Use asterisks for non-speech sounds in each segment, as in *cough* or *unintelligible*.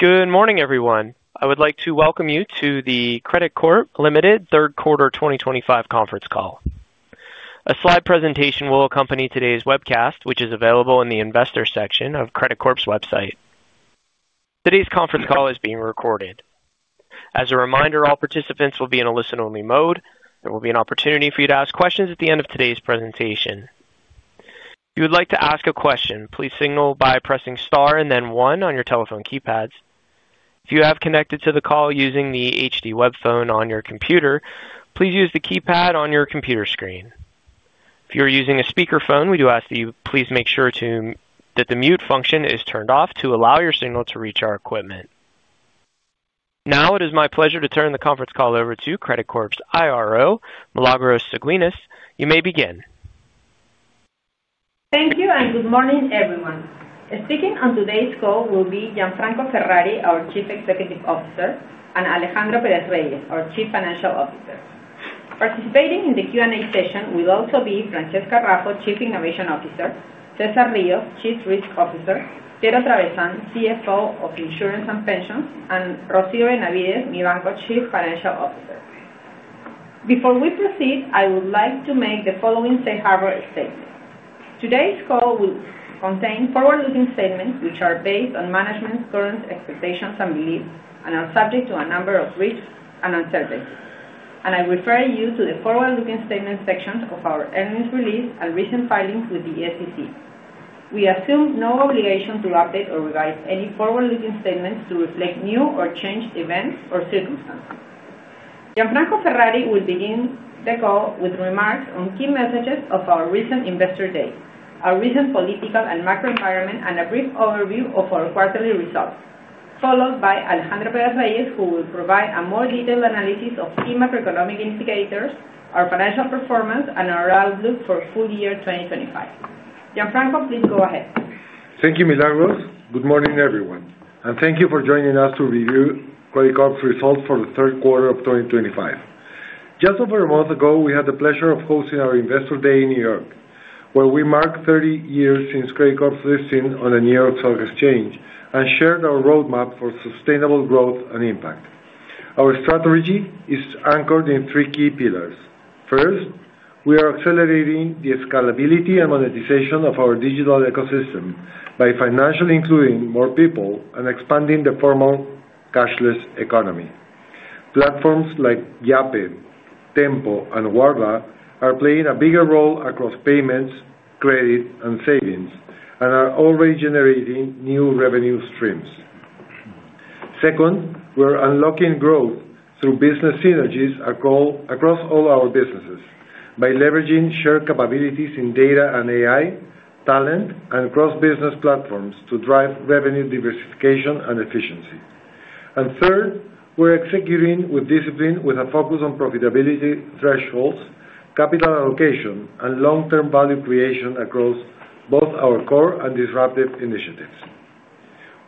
Good morning, everyone. I would like to welcome you to the Credicorp Ltd., third quarter 2025, conference call. A slide presentation will accompany today's webcast, which is available in the investor section of Credicorp's website. Today's conference call is being recorded. As a reminder, all participants will be in a listen-only mode. There will be an opportunity for you to ask questions at the end of today's presentation. If you would like to ask a question, please signal by pressing star and then one on your telephone keypads. If you have connected to the call using the HD web phone on your computer, please use the keypad on your computer screen. If you are using a speakerphone, we do ask that you please make sure that the mute function is turned off to allow your signal to reach our equipment. Now, it is my pleasure to turn the conference call over to Credicorp's IRO, Milagros Cigüeñas. You may begin. Thank you and good morning, everyone. Speaking on today's call will be Gianfranco Ferrari, our Chief Executive Officer, and Alejandro Perez-Reyes, our Chief Financial Officer. Participating in the Q&A session will also be Francesca Raffo, Chief Innovation Officer; Cesar Rios, Chief Risk Officer; *unintelligible* CFO of Insurance and Pensions; and Rocio Benavides, Mibanco’s Chief Financial Officer. Before we proceed, I would like to make the following safe harbor statement. Today's call will contain forward-looking statements which are based on management's current expectations and beliefs and are subject to a number of risks and uncertainties. I refer you to the forward-looking statement section of our earnings release and recent filings with the SEC. We assume no obligation to update or revise any forward-looking statements to reflect new or changed events or circumstances. Gianfranco Ferrari will begin the call with remarks on key messages of our recent investor day, our recent political and macro environment, and a brief overview of our quarterly results, followed by Alejandro Perez-Reyes, who will provide a more detailed analysis of key macroeconomic indicators, our financial performance, and our outlook for full year 2025. Gianfranco, please go ahead. Thank you, Milagros. Good morning, everyone. Thank you for joining us to review Credicorp's results for the third quarter of 2025. Just over a month ago, we had the pleasure of hosting our investor day in New York, where we marked 30 years since Credicorp's listing on the New York Stock Exchange and shared our roadmap for sustainable growth and impact. Our strategy is anchored in three key pillars. First, we are accelerating the scalability and monetization of our digital ecosystem by financially including more people and expanding the formal cashless economy. Platforms like Yape, Tenpo, and Guarda are playing a bigger role across payments, credit, and savings, and are already generating new revenue streams. Second, we're unlocking growth through business synergies across all our businesses by leveraging shared capabilities in data and AI, talent, and cross-business platforms to drive revenue diversification and efficiency. Third, we're executing with discipline with a focus on profitability thresholds, capital allocation, and long-term value creation across both our core and disruptive initiatives.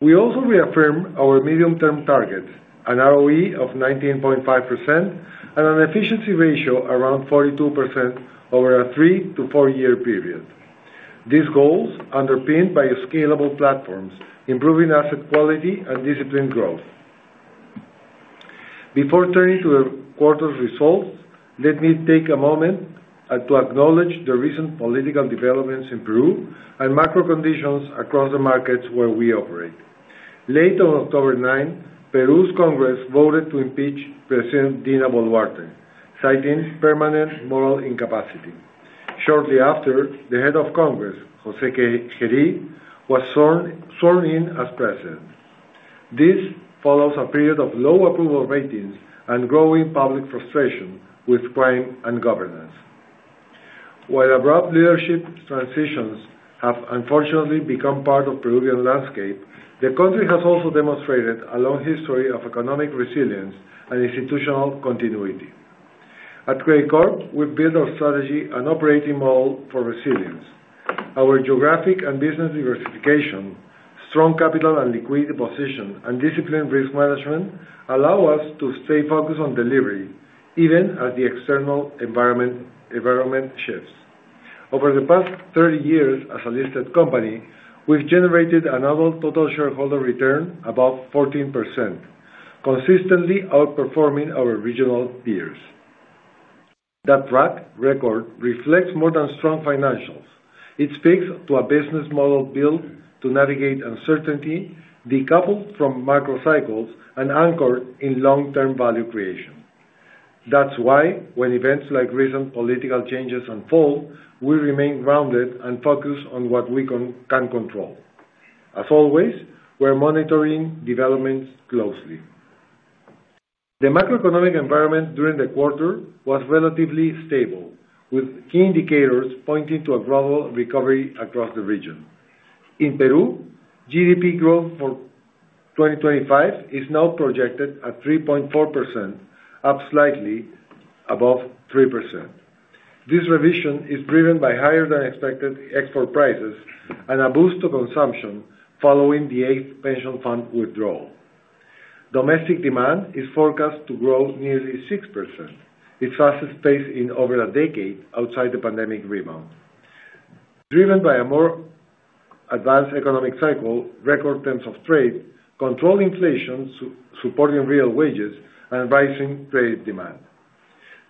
We also reaffirm our medium-term target, an ROE of 19.5%, and an efficiency ratio around 42% over a three to four-year period. These goals are underpinned by scalable platforms, improving asset quality, and disciplined growth. Before turning to the quarter's results, let me take a moment to acknowledge the recent political developments in Peru and macro conditions across the markets where we operate. Late on October 9th, Peru's Congress voted to impeach President Dina Boluarte, citing permanent moral incapacity. Shortly after, the head of Congress, Jose Jeri, was sworn in as president. This follows a period of low approval ratings and growing public frustration with crime and governance. While abrupt leadership transitions have unfortunately become part of the Peruvian landscape, the country has also demonstrated a long history of economic resilience and institutional continuity. At Credicorp, we've built our strategy and operating model for resilience. Our geographic and business diversification, strong capital and liquidity position, and disciplined risk management allow us to stay focused on delivery, even as the external environment shifts. Over the past 30 years, as a listed company, we've generated a novel total shareholder return above 14%, consistently outperforming our regional peers. That track record reflects more than strong financials. It speaks to a business model built to navigate uncertainty, decoupled from macro cycles, and anchored in long-term value creation. That's why, when events like recent political changes unfold, we remain grounded and focused on what we can control. As always, we're monitoring developments closely. The macroeconomic environment during the quarter was relatively stable, with key indicators pointing to a gradual recovery across the region. In Peru, GDP growth for 2025 is now projected at 3.4%, up slightly above 3%. This revision is driven by higher-than-expected export prices and a boost to consumption following the eighth pension fund withdrawal. Domestic demand is forecast to grow nearly 6%. Its fastest pace in over a decade outside the pandemic rebound. Driven by a more advanced economic cycle, record terms of trade control inflation, supporting real wages and rising trade demand.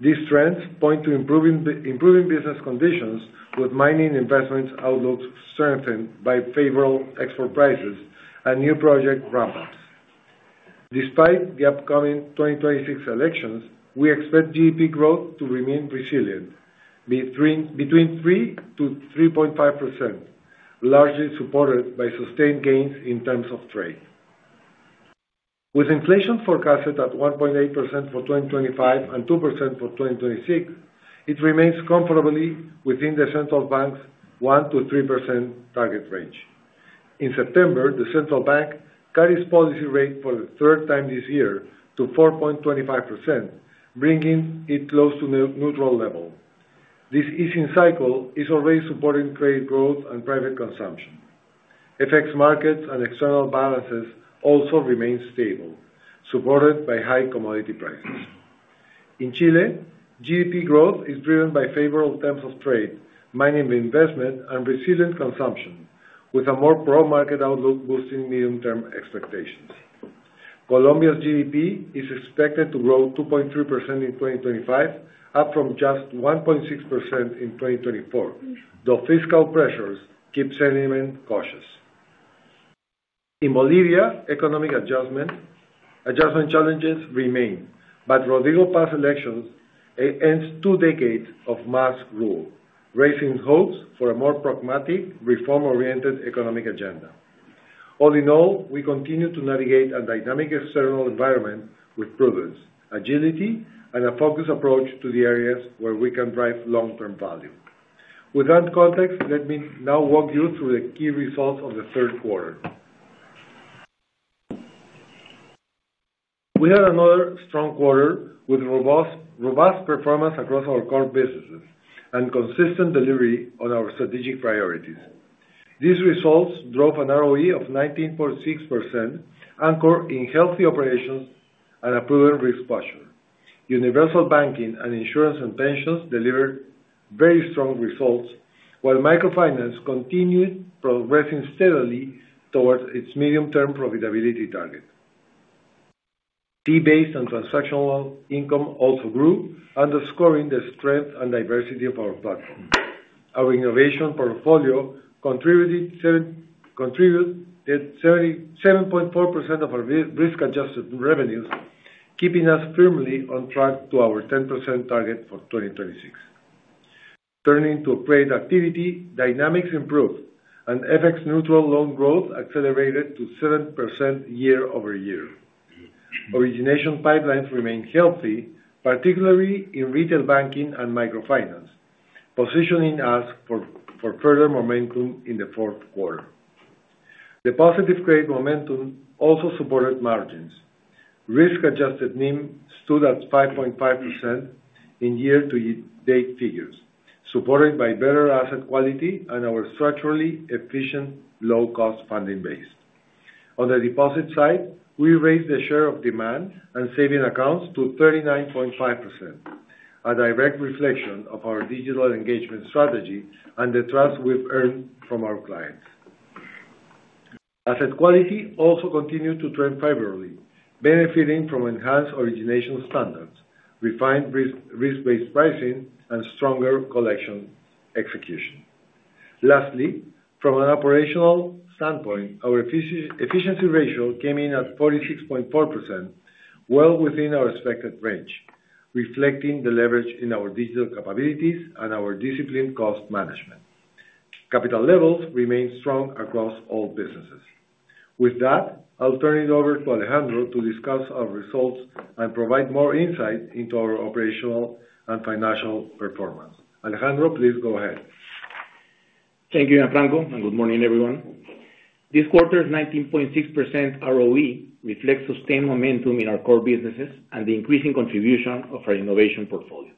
These trends point to improving business conditions, with mining investments outlook strengthened by favorable export prices and new project ramp-ups. Despite the upcoming 2026 elections, we expect GDP growth to remain resilient, between 3%-3.5%, largely supported by sustained gains in terms of trade. With inflation forecasted at 1.8% for 2025 and 2% for 2026, it remains comfortably within the central bank's 1%-3% target range. In September, the Central Bank cut its policy rate for the third time this year to 4.25%, bringing it close to a neutral level. This easing cycle is already supporting trade growth and private consumption. FX markets and external balances also remain stable, supported by high commodity prices. In Chile, GDP growth is driven by favorable terms of trade, mining investment, and resilient consumption, with a more broad market outlook boosting medium-term expectations. Colombia's GDP is expected to grow 2.3% in 2025, up from just 1.6% in 2024, though fiscal pressures keep sentiment cautious. In Bolivia, economic adjustment challenges remain, but Rodrigo Paz's elections end two decades of mass rule, raising hopes for a more pragmatic, reform-oriented economic agenda. All in all, we continue to navigate a dynamic external environment with prudence, agility, and a focused approach to the areas where we can drive long-term value. With that context, let me now walk you through the key results of the third quarter. We had another strong quarter with robust performance across our core businesses and consistent delivery on our strategic priorities. These results drove an ROE of 19.6%, anchored in healthy operations and a prudent risk posture. Universal Banking and Insurance and Pensions delivered very strong results, while Microfinance continued progressing steadily towards its medium-term profitability target. Fee-based and transactional income also grew, underscoring the strength and diversity of our platform. Our Innovation portfolio contributed 7.4% of our risk-adjusted revenues, keeping us firmly on track to our 10% target for 2026. Turning to trade activity, dynamics improved, and FX-neutral loan growth accelerated to 7% year-over-year. Origination pipelines remained healthy, particularly in Retail Banking and Microfinance, positioning us for further momentum in the fourth quarter. The positive trade momentum also supported margins. Risk-adjusted NIM stood at 5.5% in year-to-date figures, supported by better asset quality and our structurally efficient low-cost funding base. On the deposit side, we raised the share of demand and saving accounts to 39.5%, a direct reflection of our digital engagement strategy and the trust we've earned from our clients. Asset quality also continued to trend favorably, benefiting from enhanced origination standards, refined risk-based pricing, and stronger collection execution. Lastly, from an operational standpoint, our efficiency ratio came in at 46.4%, well within our expected range, reflecting the leverage in our digital capabilities and our disciplined cost management. Capital levels remained strong across all businesses. With that, I'll turn it over to Alejandro to discuss our results and provide more insight into our operational and financial performance. Alejandro, please go ahead. Thank you, Gianfranco, and good morning, everyone. This quarter's 19.6% ROE reflects sustained momentum in our core businesses and the increasing contribution of our innovation portfolio.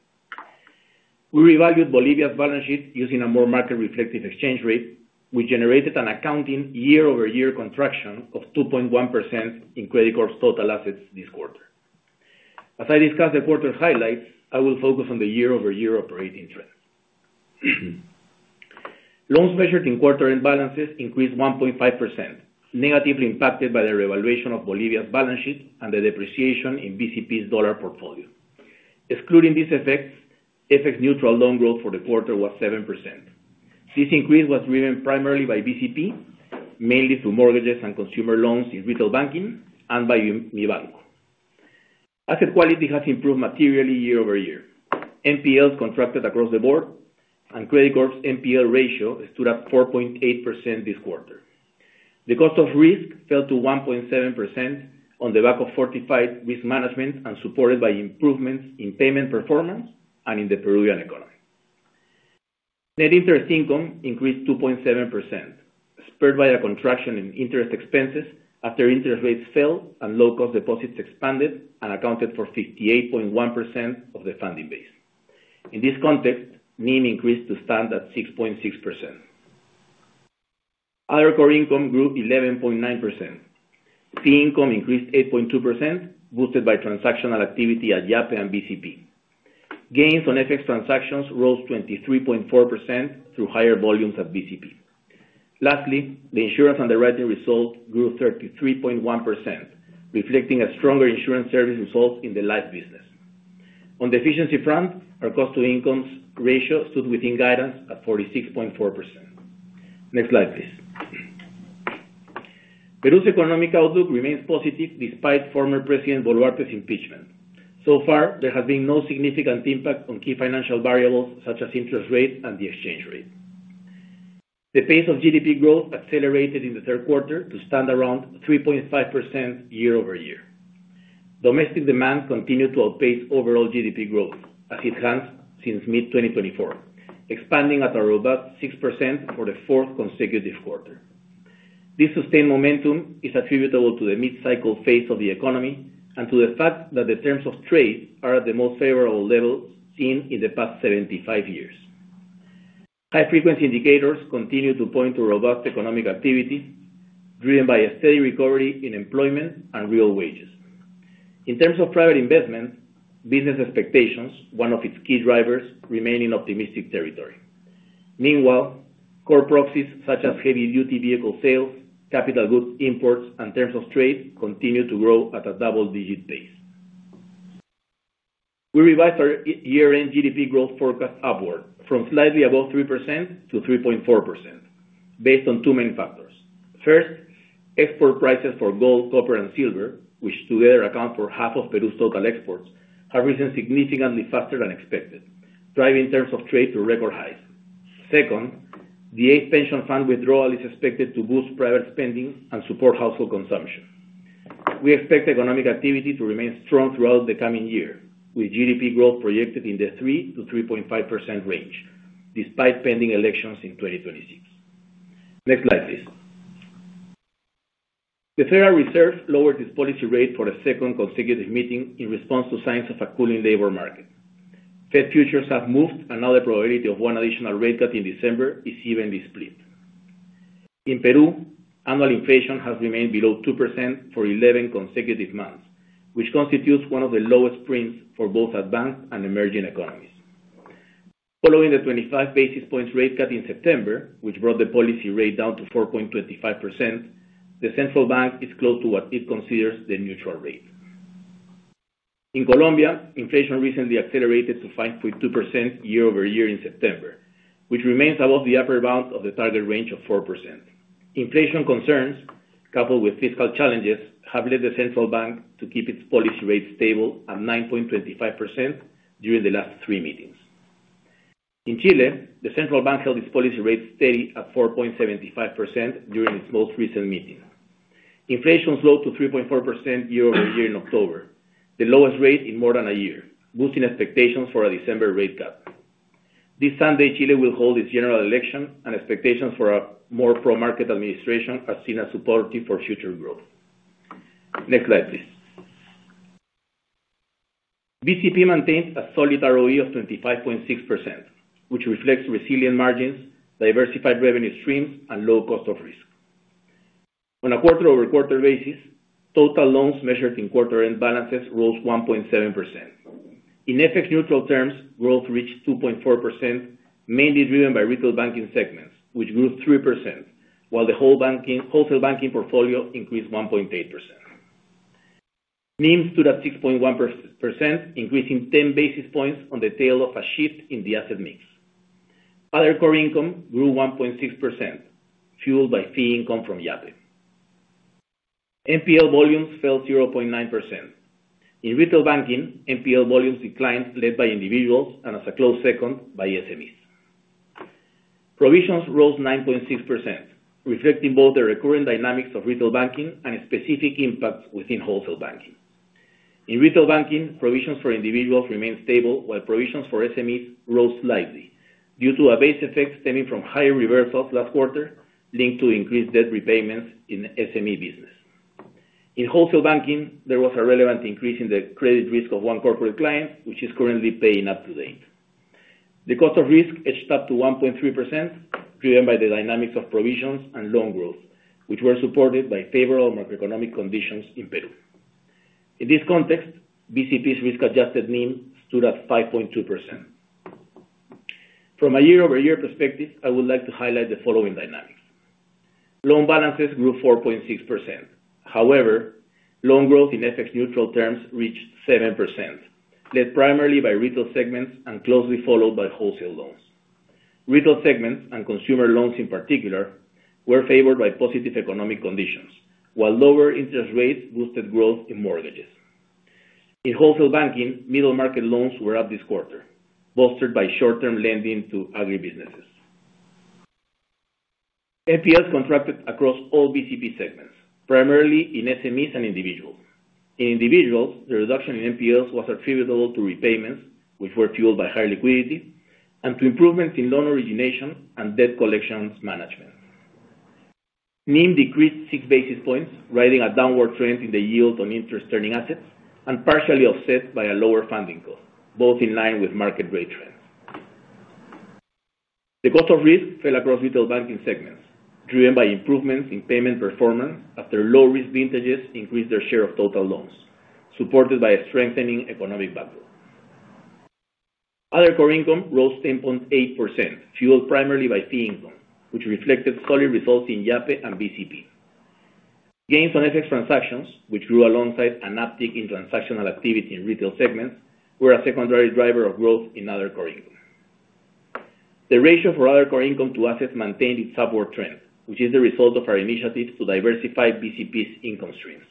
We revalued Bolivia's balance sheet using a more market-reflective exchange rate, which generated an accounting year-over-year contraction of 2.1% in Credicorp's total assets this quarter. As I discussed the quarter highlights, I will focus on the year-over-year operating trends. Loans measured in quarter-end balances increased 1.5%, negatively impacted by the revaluation of Bolivia's balance sheet and the depreciation in BCP's dollar portfolio. Excluding these effects, FX-neutral loan growth for the quarter was 7%. This increase was driven primarily by BCP, mainly through mortgages and consumer loans in retail banking, and by Mibanco. Asset quality has improved materially year-over-year. NPLs contracted across the board and Credicorp's NPL Ratio stood at 4.8% this quarter. The cost of risk fell to 1.7% on the back of fortified risk management and supported by improvements in payment performance and in the Peruvian economy. Net interest income increased 2.7%, spurred by a contraction in interest expenses after interest rates fell and low-cost deposits expanded and accounted for 58.1% of the funding base. In this context, NIM increased to stand at 6.6%. Other core income grew 11.9%. Fee income increased 8.2%, boosted by transactional activity at Yape and BCP. Gains on FX transactions rose 23.4% through higher volumes at BCP. Lastly, the insurance underwriting result grew 33.1%, reflecting a stronger insurance service result in the life business. On the efficiency front, our cost-to-income ratio stood within guidance at 46.4%. Next slide, please. Peru's economic outlook remains positive despite former President Boluarte's impeachment. So far, there has been no significant impact on key financial variables such as interest rates and the exchange rate. The pace of GDP growth accelerated in the third quarter to stand around 3.5% year-over-year. Domestic demand continued to outpace overall GDP growth, as it has since mid-2024, expanding at a robust 6% for the fourth consecutive quarter. This sustained momentum is attributable to the mid-cycle phase of the economy and to the fact that the terms of trade are at the most favorable level seen in the past 75 years. High-frequency indicators continue to point to robust economic activity driven by a steady recovery in employment and real wages. In terms of private investment, business expectations, one of its key drivers, remain in optimistic territory. Meanwhile, core proxies such as heavy-duty vehicle sales, capital goods imports, and terms of trade continue to grow at a double-digit pace. We revised our year-end GDP growth forecast upward from slightly above 3% to 3.4%, based on two main factors. First, export prices for gold, copper, and silver, which together account for half of Peru's total exports, have risen significantly faster than expected, driving terms of trade to record highs. Second, the eighth pension fund withdrawal is expected to boost private spending and support household consumption. We expect economic activity to remain strong throughout the coming year, with GDP growth projected in the 3%-3.5% range, despite pending elections in 2026. Next slide, please. The Federal Reserve lowered its policy rate for a second consecutive meeting in response to signs of a cooling labor market. Fed futures have moved, and now the probability of one additional rate cut in December is evenly split. In Peru, annual inflation has remained below 2% for 11 consecutive months, which constitutes one of the lowest prints for both advanced and emerging economies. Following the 25 basis points rate cut in September, which brought the policy rate down to 4.25%, the central bank is close to what it considers the neutral rate. In Colombia, inflation recently accelerated to 5.2% year-over-year in September, which remains above the upper bound of the target range of 4%. Inflation concerns, coupled with fiscal challenges, have led the central bank to keep its policy rate stable at 9.25% during the last three meetings. In Chile, the central bank held its policy rate steady at 4.75% during its most recent meeting. Inflation slowed to 3.4% year-over-year in October, the lowest rate in more than a year, boosting expectations for a December rate cut. This Sunday, Chile will hold its general election, and expectations for a more pro-market administration are seen as supportive for future growth. Next slide, please. BCP maintains a solid ROE of 25.6%, which reflects resilient margins, diversified revenue streams, and low cost of risk. On a quarter-over-quarter basis, total loans measured in quarter-end balances rose 1.7%. In FX-neutral terms, growth reached 2.4%, mainly driven by retail banking segments, which grew 3%, while the whole banking portfolio increased 1.8%. NIM stood at 6.1%, increasing 10 basis points on the tail of a shift in the asset mix. Other core income grew 1.6%, fueled by fee income from Yape. NPL volumes fell 0.9%. In retail banking, NPL volumes declined, led by individuals and, as a close second, by SMEs. Provisions rose 9.6%, reflecting both the recurrent dynamics of retail banking and specific impacts within wholesale banking. In retail banking, provisions for individuals remained stable, while provisions for SMEs rose slightly due to a base effect stemming from higher reversals last quarter linked to increased debt repayments in SME business. In wholesale banking, there was a relevant increase in the credit risk of one corporate client, which is currently paying up to date. The cost of risk edged up to 1.3%, driven by the dynamics of provisions and loan growth, which were supported by favorable macroeconomic conditions in Peru. In this context, BCP's risk-adjusted NIM stood at 5.2%. From a year-over-year perspective, I would like to highlight the following dynamics. Loan balances grew 4.6%. However, loan growth in FX-neutral terms reached 7%, led primarily by retail segments and closely followed by wholesale loans. Retail segments and consumer loans, in particular, were favored by positive economic conditions, while lower interest rates boosted growth in mortgages. In wholesale banking, middle-market loans were up this quarter, bolstered by short-term lending to agribusinesses. NPLs contracted across all BCP segments, primarily in SMEs and individuals. In individuals, the reduction in NPLs was attributable to repayments, which were fueled by higher liquidity, and to improvements in loan origination and debt collections management. NIM decreased 6 basis points, riding a downward trend in the yield on interest-earning assets and partially offset by a lower funding cost, both in line with market rate trends. The cost of risk fell across retail banking segments, driven by improvements in payment performance after low-risk vintages increased their share of total loans, supported by a strengthening economic backdrop. Other core income rose 10.8%, fueled primarily by fee income, which reflected solid results in Yape and BCP. Gains on FX transactions, which grew alongside an uptick in transactional activity in retail segments, were a secondary driver of growth in other core income. The ratio for other core income to assets maintained its upward trend, which is the result of our initiative to diversify BCP's income streams.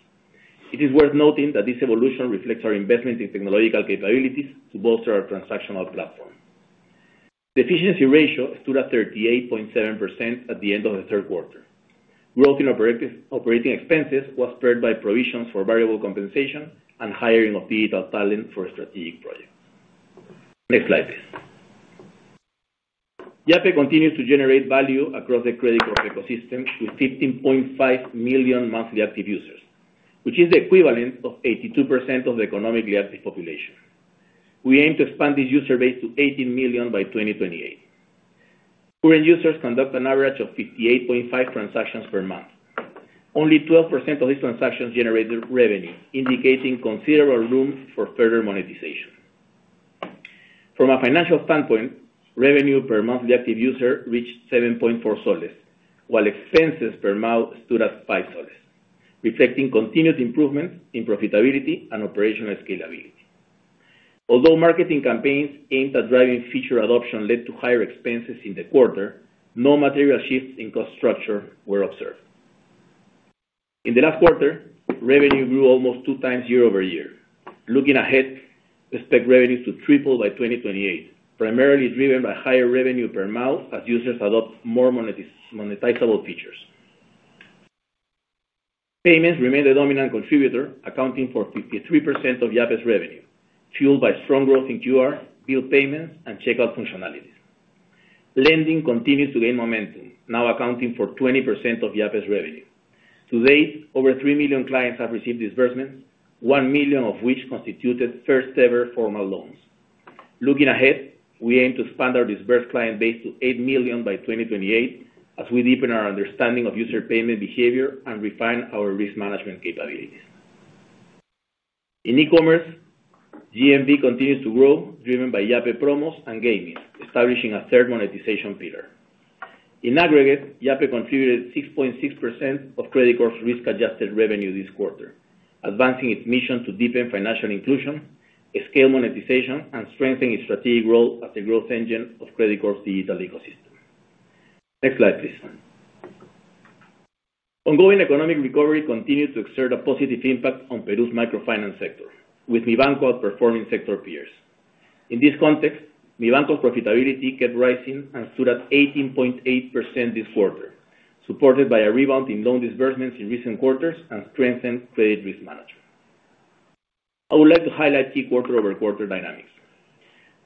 It is worth noting that this evolution reflects our investment in technological capabilities to bolster our transactional platform. The efficiency ratio stood at 38.7% at the end of the third quarter. Growth in operating expenses was spurred by provisions for variable compensation and hiring of digital talent for strategic projects. Next slide, please. Yape continues to generate value across the Credicorp ecosystem with 15.5 million monthly active users, which is the equivalent of 82% of the economically active population. We aim to expand this user base to 18 million by 2028. Current users conduct an average of 58.5 transactions per month. Only 12% of these transactions generated revenue, indicating considerable room for further monetization. From a financial standpoint, revenue per monthly active user reached PEN 7.4, while expenses per mile stood at PEN 5, reflecting continued improvements in profitability and operational scalability. Although marketing campaigns aimed at driving feature adoption led to higher expenses in the quarter, no material shifts in cost structure were observed. In the last quarter, revenue grew almost two times year-over-year. Looking ahead, expect revenues to triple by 2028, primarily driven by higher revenue per mile as users adopt more monetizable features. Payments remain the dominant contributor, accounting for 53% of Yape's revenue, fueled by strong growth in QR, bill payments, and checkout functionalities. Lending continues to gain momentum, now accounting for 20% of Yape's revenue. To date, over 3 million clients have received disbursements, 1 million of which constituted first-ever formal loans. Looking ahead, we aim to expand our disbursed client base to 8 million by 2028 as we deepen our understanding of user payment behavior and refine our risk management capabilities. In e-commerce, GMV continues to grow, driven by Yape promos and gaming, establishing a third monetization pillar. In aggregate, Yape contributed 6.6% of Credicorp's risk-adjusted revenue this quarter, advancing its mission to deepen financial inclusion, scale monetization, and strengthen its strategic role as a growth engine of Credicorp's digital ecosystem. Next slide, please. Ongoing economic recovery continues to exert a positive impact on Peru's microfinance sector, with Mibanco outperforming sector peers. In this context, Mibanco's profitability kept rising and stood at 18.8% this quarter, supported by a rebound in loan disbursements in recent quarters and strengthened credit risk management. I would like to highlight key quarter-over-quarter dynamics.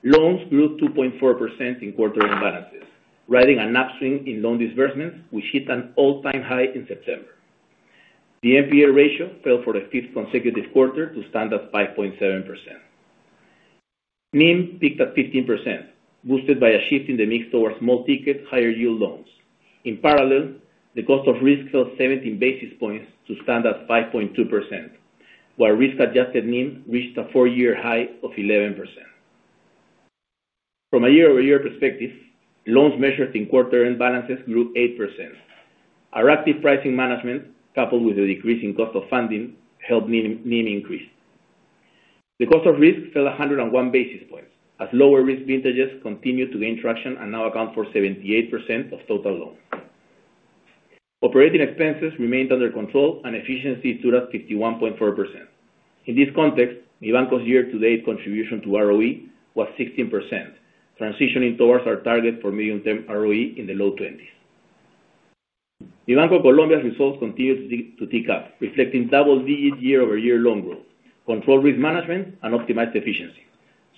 Loans grew 2.4% in quarter-end balances, riding an upswing in loan disbursements, which hit an all-time high in September. The NPL ratio fell for the fifth consecutive quarter to stand at 5.7%. NIM peaked at 15%, boosted by a shift in the mix towards small-ticket, higher-yield loans. In parallel, the cost of risk fell 17 basis points to stand at 5.2%, while risk-adjusted NIM reached a four-year high of 11%. From a year-over-year perspective, loans measured in quarter-end balances grew 8%. Our active pricing management, coupled with the decreasing cost of funding, helped NIM increase. The cost of risk fell 101 basis points as lower-risk vintages continued to gain traction and now account for 78% of total loans. Operating expenses remained under control, and efficiency stood at 51.4%. In this context, Mibanco's year-to-date contribution to ROE was 16%, transitioning towards our target for medium-term ROE in the low 20s. Mibanco Colombia's results continue to tick up, reflecting double-digit year-over-year loan growth, controlled risk management, and optimized efficiency,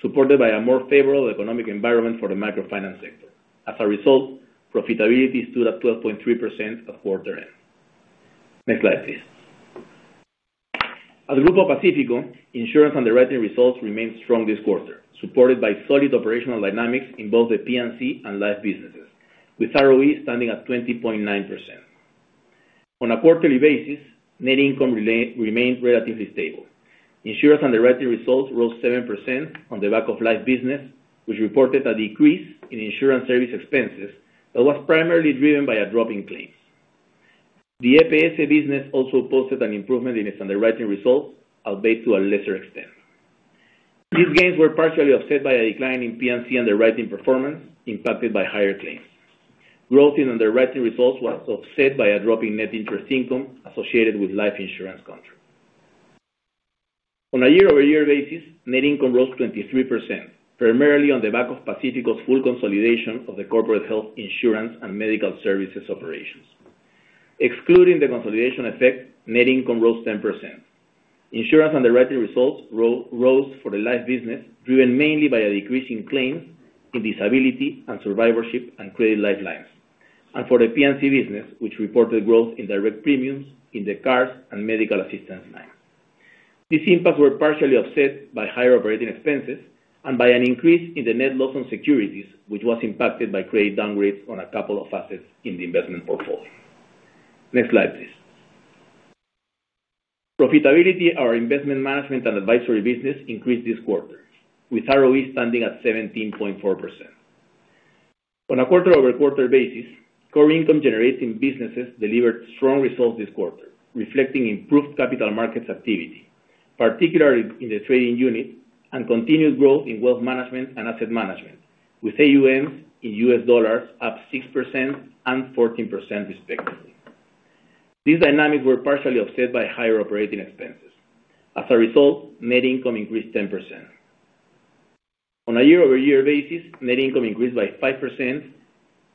supported by a more favorable economic environment for the microfinance sector. As a result, profitability stood at 12.3% at quarter-end. Next slide, please. At the Grupo Pacifico, insurance underwriting results remained strong this quarter, supported by solid operational dynamics in both the P&C and life businesses, with ROE standing at 20.9%. On a quarterly basis, net income remained relatively stable. Insurance underwriting results rose 7% on the back of the life business, which reported a decrease in insurance service expenses that was primarily driven by a drop in claims. The EPS business also posted an improvement in its underwriting results, albeit to a lesser extent. These gains were partially offset by a decline in P&C underwriting performance impacted by higher claims. Growth in underwriting results was offset by a drop in net interest income associated with life insurance contracts. On a year-over-year basis, net income rose 23%, primarily on the back of Pacifico's full consolidation of the corporate health insurance and medical services operations. Excluding the consolidation effect, net income rose 10%. Insurance underwriting results rose for the life business, driven mainly by a decrease in claims in disability and survivorship and credit life lines, and for the P&C business, which reported growth in direct premiums in the cars and medical assistance lines. These impacts were partially offset by higher operating expenses and by an increase in the net loss on securities, which was impacted by credit downgrades on a couple of assets in the investment portfolio. Next slide, please. Profitability of our investment management and advisory business increased this quarter, with ROE standing at 17.4%. On a quarter-over-quarter basis, core income-generating businesses delivered strong results this quarter, reflecting improved capital markets activity, particularly in the trading unit, and continued growth in wealth management and asset management, with AUMs in U.S. dollars up 6% and 14%, respectively. These dynamics were partially offset by higher operating expenses. As a result, net income increased 10%. On a year-over-year basis, net income increased by 5%,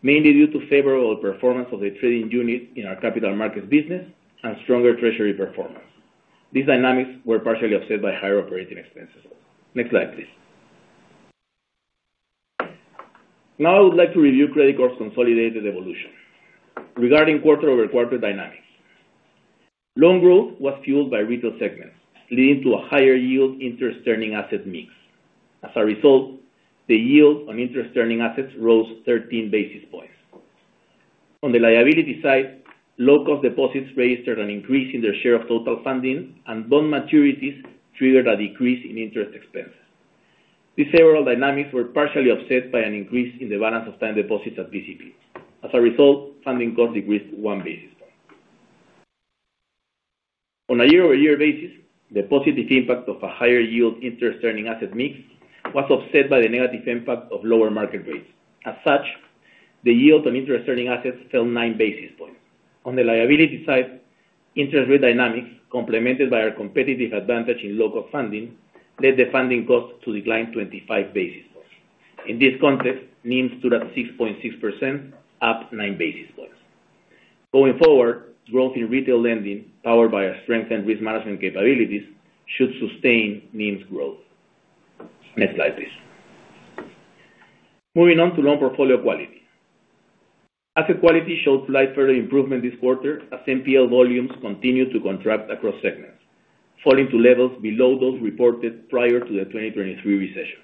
mainly due to favorable performance of the trading unit in our capital markets business and stronger treasury performance. These dynamics were partially offset by higher operating expenses. Next slide, please. Now, I would like to review Credicorp's consolidated evolution regarding quarter-over-quarter dynamics. Loan growth was fueled by retail segments, leading to a higher yield interest-earning asset mix. As a result, the yield on interest-earning assets rose 13 basis points. On the liability side, low-cost deposits registered an increase in their share of total funding, and bond maturities triggered a decrease in interest expenses. These favorable dynamics were partially offset by an increase in the balance of time deposits at BCP. As a result, funding costs decreased 1 basis point. On a year-over-year basis, the positive impact of a higher yield interest-earning asset mix was offset by the negative impact of lower market rates. As such, the yield on interest-earning assets fell 9 basis points. On the liability side, interest rate dynamics, complemented by our competitive advantage in low-cost funding, led the funding cost to decline 25 basis points. In this context, NIM stood at 6.6%, up 9 basis points. Going forward, growth in retail lending, powered by our strengthened risk management capabilities, should sustain NIM's growth. Next slide, please. Moving on to loan portfolio quality. Asset quality showed slight further improvement this quarter as NPL volumes continued to contract across segments, falling to levels below those reported prior to the 2023 recession.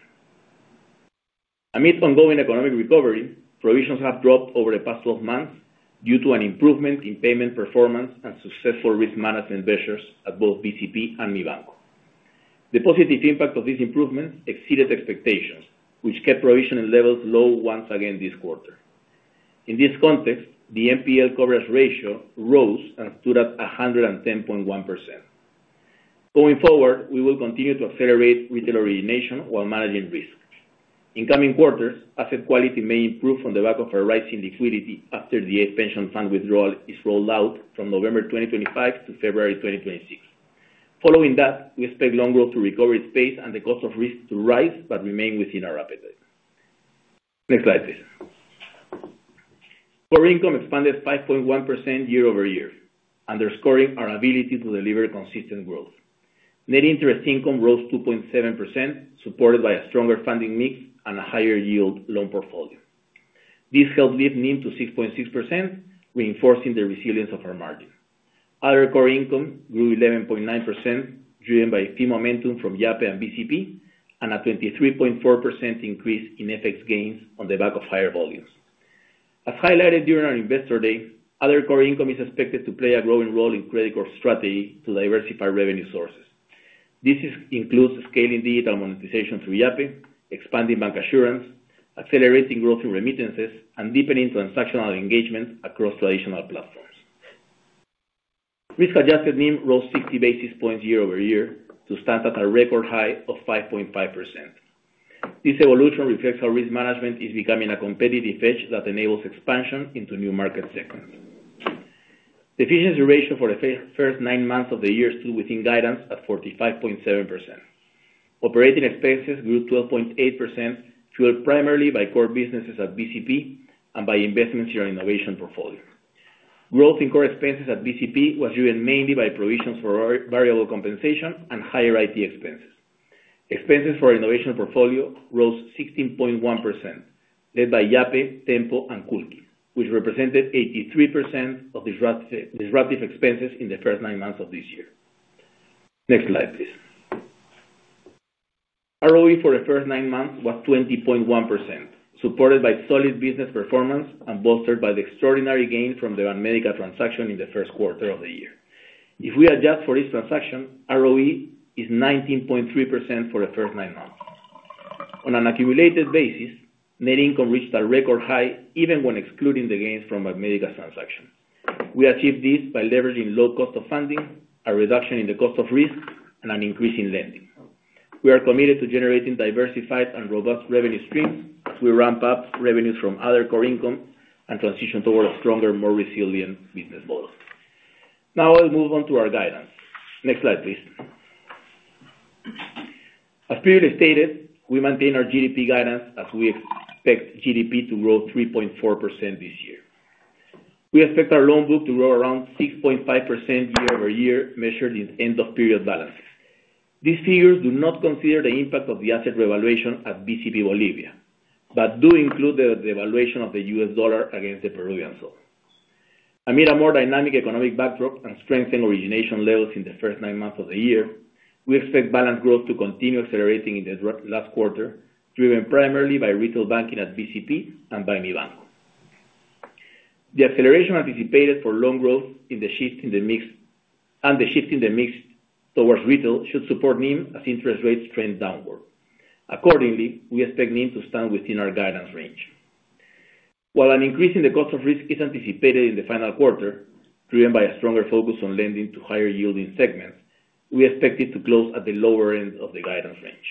Amid ongoing economic recovery, provisions have dropped over the past 12 months due to an improvement in payment performance and successful risk management measures at both BCP and Mibanco. The positive impact of these improvements exceeded expectations, which kept provisioning levels low once again this quarter. In this context, the NPL coverage ratio rose and stood at 110.1%. Going forward, we will continue to accelerate retail origination while managing risk. In coming quarters, asset quality may improve on the back of a rising liquidity after the eighth pension fund withdrawal is rolled out from November 2025 to February 2026. Following that, we expect loan growth to recover its pace and the cost of risk to rise but remain within our appetite. Next slide, please. Core income expanded 5.1% year-over-year, underscoring our ability to deliver consistent growth. Net interest income rose 2.7%, supported by a stronger funding mix and a higher-yield loan portfolio. This helped lift NIM to 6.6%, reinforcing the resilience of our margin. Other core income grew 11.9%, driven by a few momentum from Yape and BCP, and a 23.4% increase in FX gains on the back of higher volumes. As highlighted during our investor day, other core income is expected to play a growing role in Credicorp's strategy to diversify revenue sources. This includes scaling digital monetization through Yape, expanding bank assurance, accelerating growth in remittances, and deepening transactional engagement across traditional platforms. Risk-adjusted NIM rose 60 basis points year-over-year to stand at a record high of 5.5%. This evolution reflects how risk management is becoming a competitive edge that enables expansion into new market segments. Efficiency ratio for the first nine months of the year stood within guidance at 45.7%. Operating expenses grew 12.8%, fueled primarily by core businesses at BCP and by investments in our innovation portfolio. Growth in core expenses at BCP was driven mainly by provisions for variable compensation and higher IT expenses. Expenses for our innovation portfolio rose 16.1%, led by Yape, Tenpo, and Culqi, which represented 83% of disruptive expenses in the first nine months of this year. Next slide, please. ROE for the first nine months was 20.1%, supported by solid business performance and bolstered by the extraordinary gain from the Banmedica transaction in the first quarter of the year. If we adjust for each transaction, ROE is 19.3% for the first nine months. On an accumulated basis, net income reached a record high even when excluding the gains from Banmedica's transaction. We achieved this by leveraging low cost of funding, a reduction in the cost of risk, and an increase in lending. We are committed to generating diversified and robust revenue streams as we ramp up revenues from other core income and transition toward a stronger, more resilient business model. Now, I'll move on to our guidance. Next slide, please. As previously stated, we maintain our GDP guidance as we expect GDP to grow 3.4% this year. We expect our loan book to grow around 6.5% year-over-year, measured in end-of-period balances. These figures do not consider the impact of the asset revaluation at BCP Bolivia, but do include the devaluation of the U.S. dollar against the Peruvian sol. Amid a more dynamic economic backdrop and strengthened origination levels in the first nine months of the year, we expect balance growth to continue accelerating in the last quarter, driven primarily by retail banking at BCP and by Mibanco. The acceleration anticipated for loan growth in the shift in the mix and the shift in the mix towards retail should support NIM as interest rates trend downward. Accordingly, we expect NIM to stand within our guidance range. While an increase in the cost of risk is anticipated in the final quarter, driven by a stronger focus on lending to higher-yielding segments, we expect it to close at the lower end of the guidance range.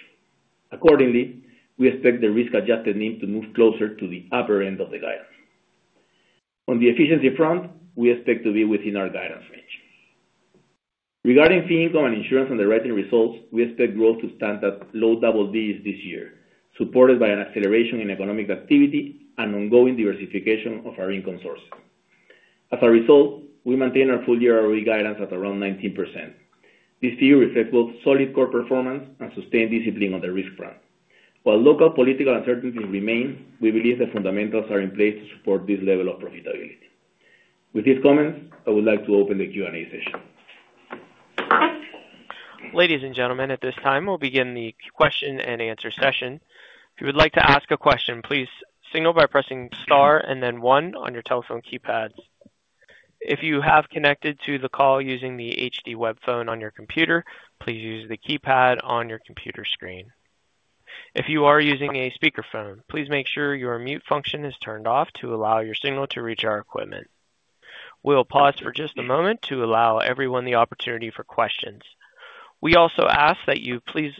Accordingly, we expect the risk-adjusted NIM to move closer to the upper end of the guidance. On the efficiency front, we expect to be within our guidance range. Regarding fee income and insurance underwriting results, we expect growth to stand at low double digits this year, supported by an acceleration in economic activity and ongoing diversification of our income sources. As a result, we maintain our full-year ROE guidance at around 19%. This figure reflects both solid core performance and sustained discipline on the risk front. While local political uncertainties remain, we believe the fundamentals are in place to support this level of profitability. With these comments, I would like to open the Q&A session. Ladies and gentlemen, at this time, we'll begin the question-and-answer session. If you would like to ask a question, please signal by pressing Star and then one on your telephone keypads. If you have connected to the call using the HD web phone on your computer, please use the keypad on your computer screen. If you are using a speakerphone, please make sure your mute function is turned off to allow your signal to reach our equipment. We'll pause for just a moment to allow everyone the opportunity for questions. We also ask that you please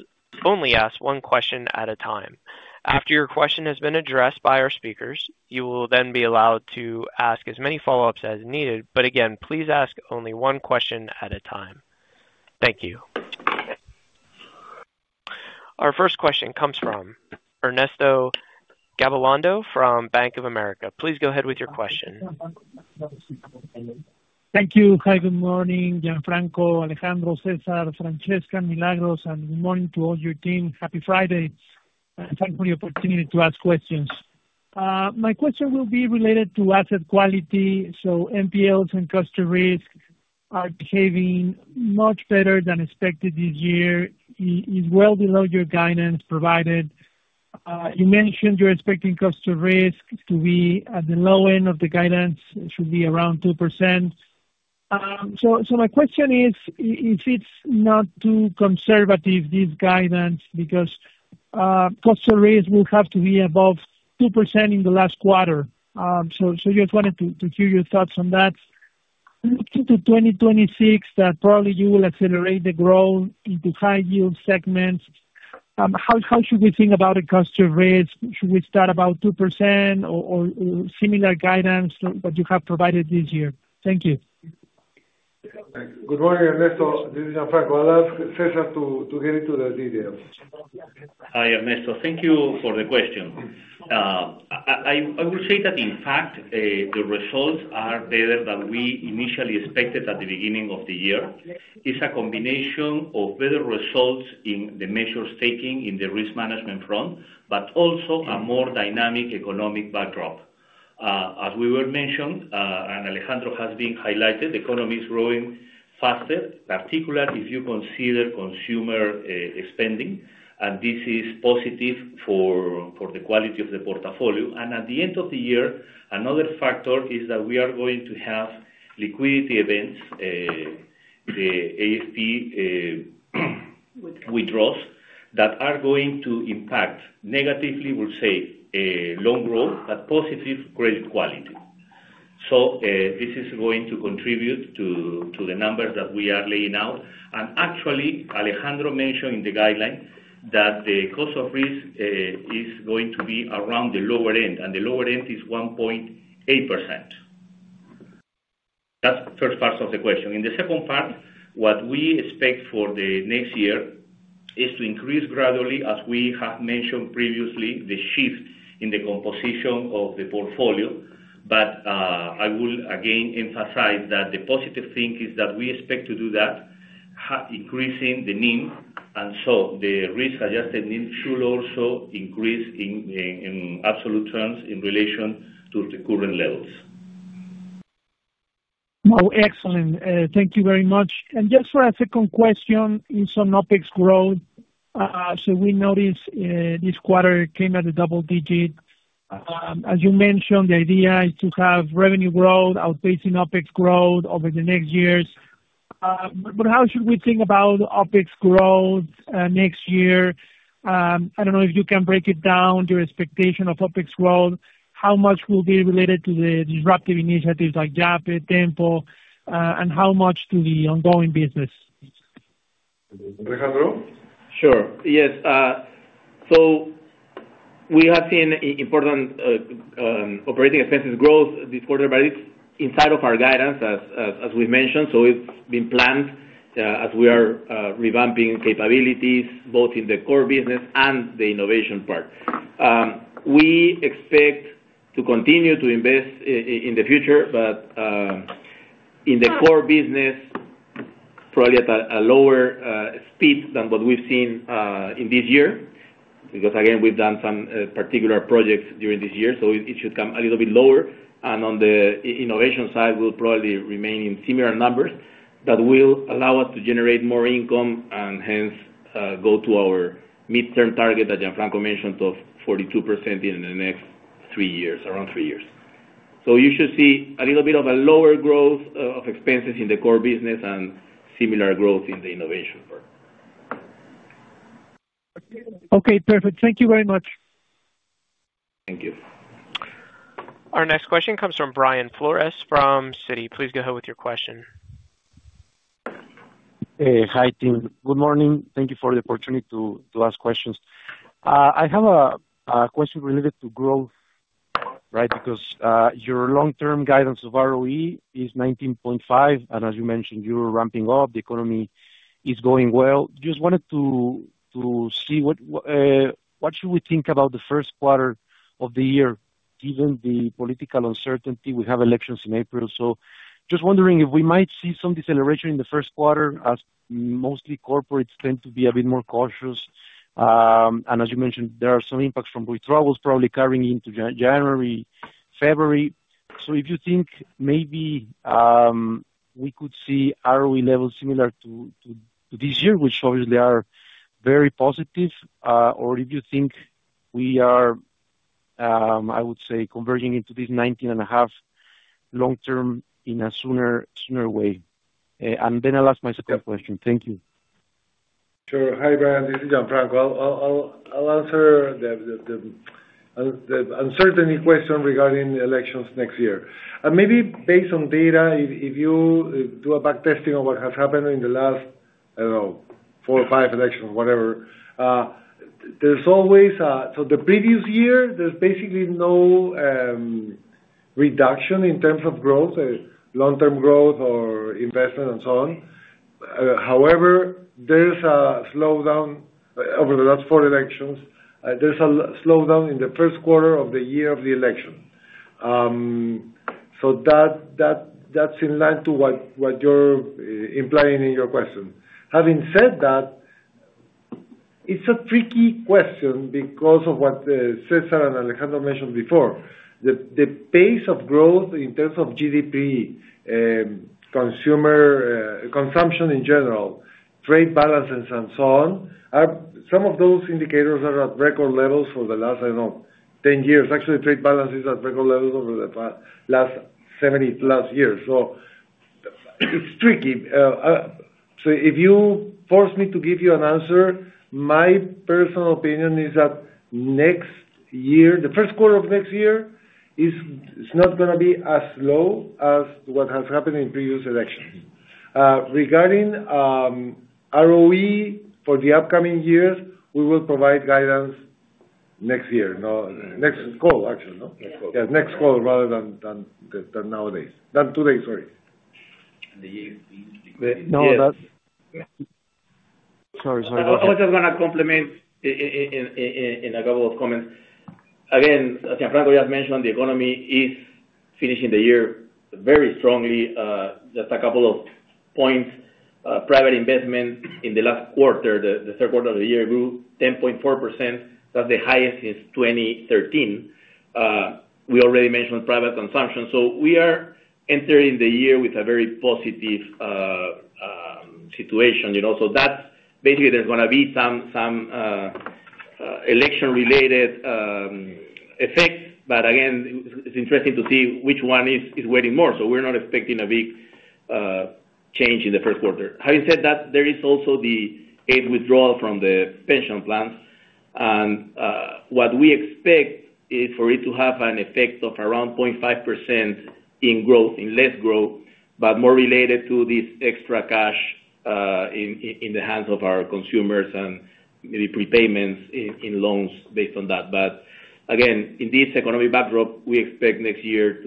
only ask one question at a time. After your question has been addressed by our speakers, you will then be allowed to ask as many follow-ups as needed, but again, please ask only one question at a time. Thank you. Our first question comes from Ernesto Gabilondo from Bank of America. Please go ahead with your question. Thank you. Hi, good morning, Gianfranco, Alejandro, Cesar, Francesca, Milagros, and good morning to all your team. Happy Friday, and thank you for the opportunity to ask questions. My question will be related to asset quality, so NPLs and cost of risk are behaving much better than expected this year. It's well below your guidance provided. You mentioned you're expecting cost of risk to be at the low end of the guidance, should be around 2%. My question is, is it not too conservative, this guidance, because cost of risk will have to be above 2% in the last quarter? I just wanted to hear your thoughts on that. Looking to 2026, that probably you will accelerate the growth into high-yield segments. How should we think about the cost of risk? Should we start about 2% or similar guidance that you have provided this year? Thank you. Good morning, Ernesto. This is Gianfranco. I'll ask Cesar to get into the details. Hi, Ernesto. Thank you for the question. I would say that, in fact, the results are better than we initially expected at the beginning of the year. It's a combination of better results in the measures taken in the risk management front, but also a more dynamic economic backdrop. As we were mentioned, and Alejandro has been highlighted, the economy is growing faster, particularly if you consider consumer spending, and this is positive for the quality of the portfolio. At the end of the year, another factor is that we are going to have liquidity events, the AFP withdrawals, that are going to impact negatively, we'll say, loan growth, but positive credit quality. This is going to contribute to the numbers that we are laying out. Actually, Alejandro mentioned in the guideline that the cost of risk is going to be around the lower end, and the lower end is 1.8%. That's the first part of the question. In the second part, what we expect for the next year is to increase gradually, as we have mentioned previously, the shift in the composition of the portfolio. I will again emphasize that the positive thing is that we expect to do that, increasing the NIM, and so the risk-adjusted NIM should also increase in absolute terms in relation to the current levels. Excellent. Thank you very much. Just for a second question, in some OpEx growth, we noticed this quarter came at a double digit. As you mentioned, the idea is to have revenue growth outpacing OpEx growth over the next years. How should we think about OpEx growth next year? I do not know if you can break it down, your expectation of OpEx growth. How much will be related to the disruptive initiatives like Yape, Tenpo, and how much to the ongoing business? Alejandro? Sure. Yes. We have seen important operating expenses growth this quarter, but it is inside of our guidance, as we mentioned. It has been planned as we are revamping capabilities, both in the core business and the innovation part. We expect to continue to invest in the future, but in the core business, probably at a lower speed than what we have seen in this year, because again, we have done some particular projects during this year, so it should come a little bit lower. On the innovation side, we will probably remain in similar numbers that will allow us to generate more income and hence go to our midterm target that Gianfranco mentioned of 42% in the next three years, around three years. You should see a little bit of a lower growth of expenses in the core business and similar growth in the innovation part. Okay. Perfect. Thank you very much. Thank you. Our next question comes from Brian Flores from Citi. Please go ahead with your question. Hi, team. Good morning. Thank you for the opportunity to ask questions. I have a question related to growth, right, because your long-term guidance of ROE is 19.5%, and as you mentioned, you're ramping up. The economy is going well. Just wanted to see what should we think about the first quarter of the year, given the political uncertainty? We have elections in April, so just wondering if we might see some deceleration in the first quarter as mostly corporates tend to be a bit more cautious. As you mentioned, there are some impacts from withdrawals probably carrying into January, February. If you think maybe we could see ROE levels similar to this year, which obviously are very positive, or if you think we are, I would say, converging into this 19.5 long-term in a sooner way? Then I'll ask my second question. Thank you. Sure. Hi, Brian. This is Gianfranco. I'll answer the uncertainty question regarding elections next year. Maybe based on data, if you do a backtesting of what has happened in the last, I do not know, four or five elections, whatever, the previous year, there is basically no reduction in terms of growth, long-term growth, or investment, and so on. However, there is a slowdown over the last four elections. There is a slowdown in the first quarter of the year of the election. That is in line to what you are implying in your question. Having said that, it's a tricky question because of what César and Alejandro mentioned before. The pace of growth in terms of GDP, consumption in general, trade balances, and so on, some of those indicators are at record levels for the last, I don't know, 10 years. Actually, trade balance is at record levels over the last 70+ years. It is tricky. If you force me to give you an answer, my personal opinion is that next year, the first quarter of next year, is not going to be as low as what has happened in previous elections. Regarding ROE for the upcoming years, we will provide guidance next year. No, next call, actually. Next call. Yes, next call rather than nowadays. Not today, sorry. No, that's—sorry, sorry. I was just going to complement in a couple of comments. Again, as Gianfranco just mentioned, the economy is finishing the year very strongly. Just a couple of points. Private investment in the last quarter, the third quarter of the year, grew 10.4%. That's the highest since 2013. We already mentioned private consumption. We are entering the year with a very positive situation. That's basically there's going to be some election-related effects, but again, it's interesting to see which one is weighing more. We're not expecting a big change in the first quarter. Having said that, there is also the aid withdrawal from the pension plans. What we expect is for it to have an effect of around 0.5% in growth, in less growth, but more related to this extra cash in the hands of our consumers and maybe prepayments in loans based on that. Again, in this economic backdrop, we expect next year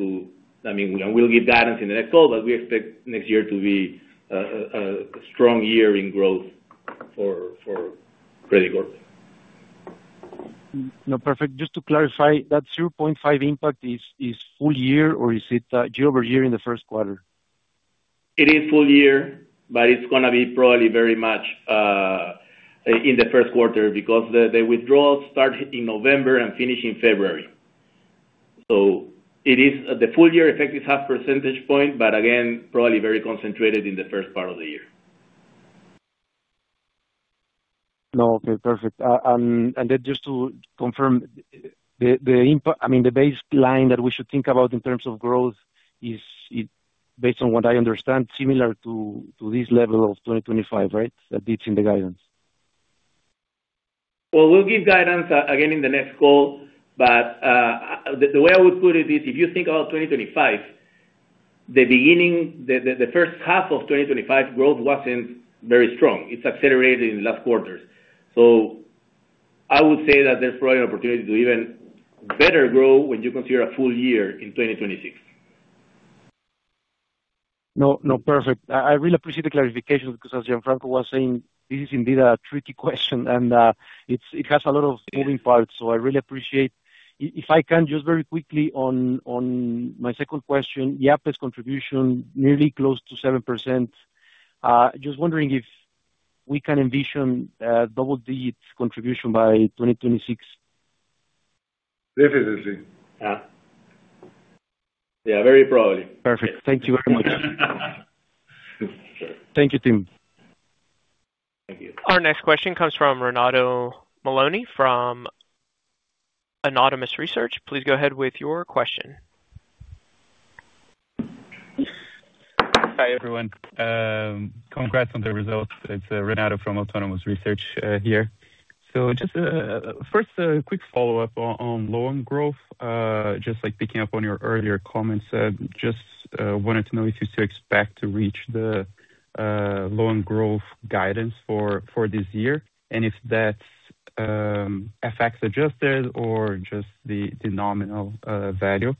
to—I mean, we'll give guidance in the next call, but we expect next year to be a strong year in growth for credit growth. No, perfect. Just to clarify, that 0.5% impact is full year, or is it year-over-year in the first quarter? It is full year, but it's going to be probably very much in the first quarter because the withdrawals start in November and finish in February. So it is the full year effective half percentage point, but again, probably very concentrated in the first part of the year. No, okay. Perfect. And then just to confirm, the impact—I mean, the baseline that we should think about in terms of growth is, based on what I understand, similar to this level of 2025, right? That it's in the guidance. We will give guidance again in the next call, but the way I would put it is, if you think about 2025, the beginning, the first half of 2025, growth was not very strong. It has accelerated in the last quarters. I would say that there is probably an opportunity to even better grow when you consider a full year in 2026. No, no, perfect. I really appreciate the clarification because, as Gianfranco was saying, this is indeed a tricky question, and it has a lot of moving parts. I really appreciate—if I can just very quickly on my second question, Yape's contribution, nearly close to 7%. Just wondering if we can envision a double-digit contribution by 2026. Definitely. Yeah. Yeah, very probably. Perfect. Thank you very much. Thank you, team. Thank you. Our next question comes from Renato Meloni from Autonomous Research. Please go ahead with your question. Hi, everyone. Congrats on the results. It's Renato from Autonomous Research here. Just first, a quick follow-up on loan growth, just picking up on your earlier comments. Just wanted to know if you expect to reach the loan growth guidance for this year and if that's FX adjusted or just the nominal value.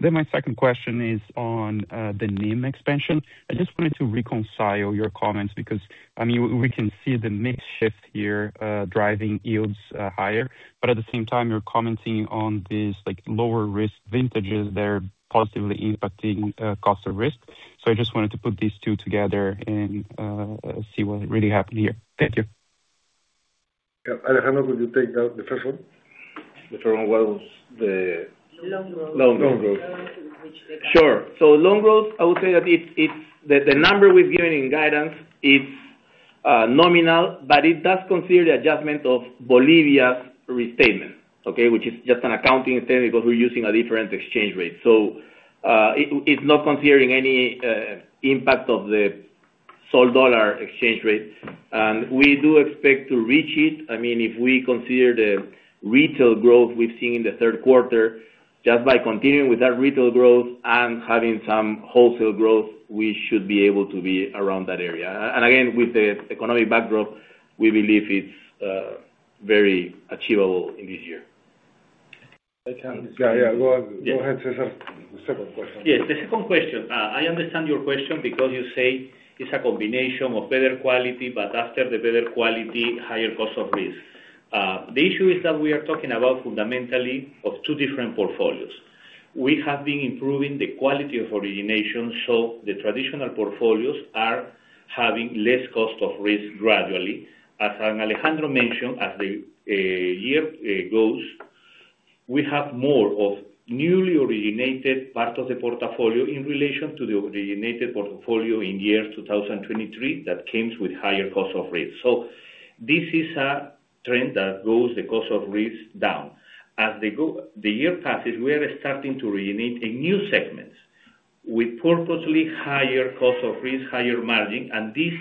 My second question is on the NIM expansion. I just wanted to reconcile your comments because, I mean, we can see the mixed shift here driving yields higher, but at the same time, you're commenting on these lower risk vintages that are positively impacting cost of risk. I just wanted to put these two together and see what really happened here. Thank you. Alejandro, could you take the first one? The first one was the loan growth. Loan growth. Sure. Loan growth, I would say that the number we've given in guidance is nominal, but it does consider the adjustment of Bolivia's restatement, okay, which is just an accounting statement because we're using a different exchange rate. It is not considering any impact of the sol dollar exchange rate. We do expect to reach it. I mean, if we consider the retail growth we've seen in the third quarter, just by continuing with that retail growth and having some wholesale growth, we should be able to be around that area. With the economic backdrop, we believe it's very achievable in this year. I can't—yeah, yeah. Go ahead, Cesar, the second question. Yes. The second question. I understand your question because you say it's a combination of better quality, but after the better quality, higher cost of risk. The issue is that we are talking about fundamentally two different portfolios. We have been improving the quality of origination, so the traditional portfolios are having less cost of risk gradually. As Alejandro mentioned, as the year goes, we have more of newly originated parts of the portfolio in relation to the originated portfolio in year 2023 that comes with higher cost of risk. This is a trend that goes the cost of risk down. As the year passes, we are starting to originate a new segment with purposely higher cost of risk, higher margin, and this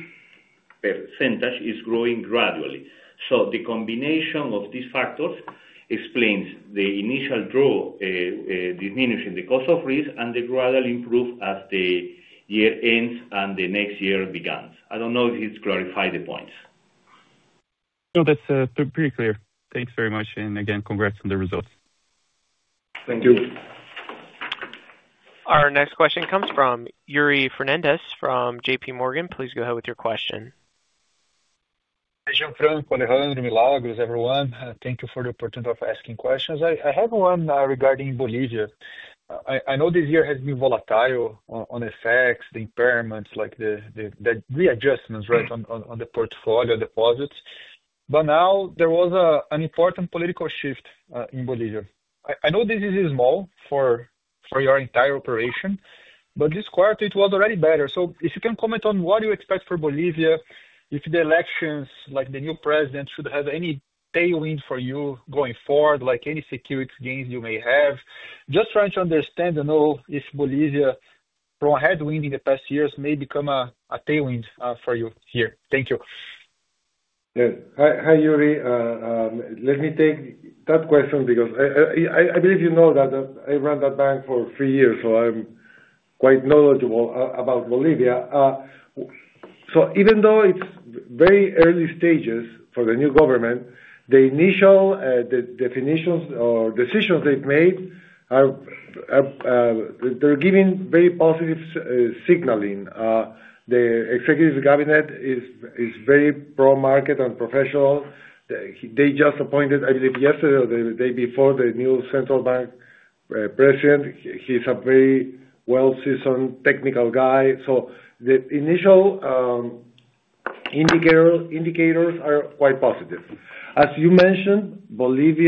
percentage is growing gradually. The combination of these factors explains the initial draw, diminishing the cost of risk and the gradual improvement as the year ends and the next year begins. I do not know if it has clarified the points. No, that is pretty clear. Thanks very much. Again, congrats on the results. Thank you. Our next question comes from Yuri Fernandes from JPMorgan. Please go ahead with your question. Gianfranco, Alejandro, Milagros, everyone. Thank you for the opportunity of asking questions. I have one regarding Bolivia. I know this year has been volatile on FX, the impairments, like the readjustments, right, on the portfolio deposits. Now there was an important political shift in Bolivia. I know this is small for your entire operation, but this quarter, it was already better. If you can comment on what you expect for Bolivia, if the elections, like the new president, should have any tailwind for you going forward, like any securities gains you may have, just trying to understand and know if Bolivia, from a headwind in the past years, may become a tailwind for you here. Thank you. Hi, Yuri. Let me take that question because I believe you know that I ran that bank for three years, so I'm quite knowledgeable about Bolivia. Even though it's very early stages for the new government, the initial definitions or decisions they've made, they're giving very positive signaling. The executive cabinet is very pro-market and professional. They just appointed, I believe, yesterday or the day before, the new Central Bank president. He's a very well-seasoned technical guy. The initial indicators are quite positive. As you mentioned, BCP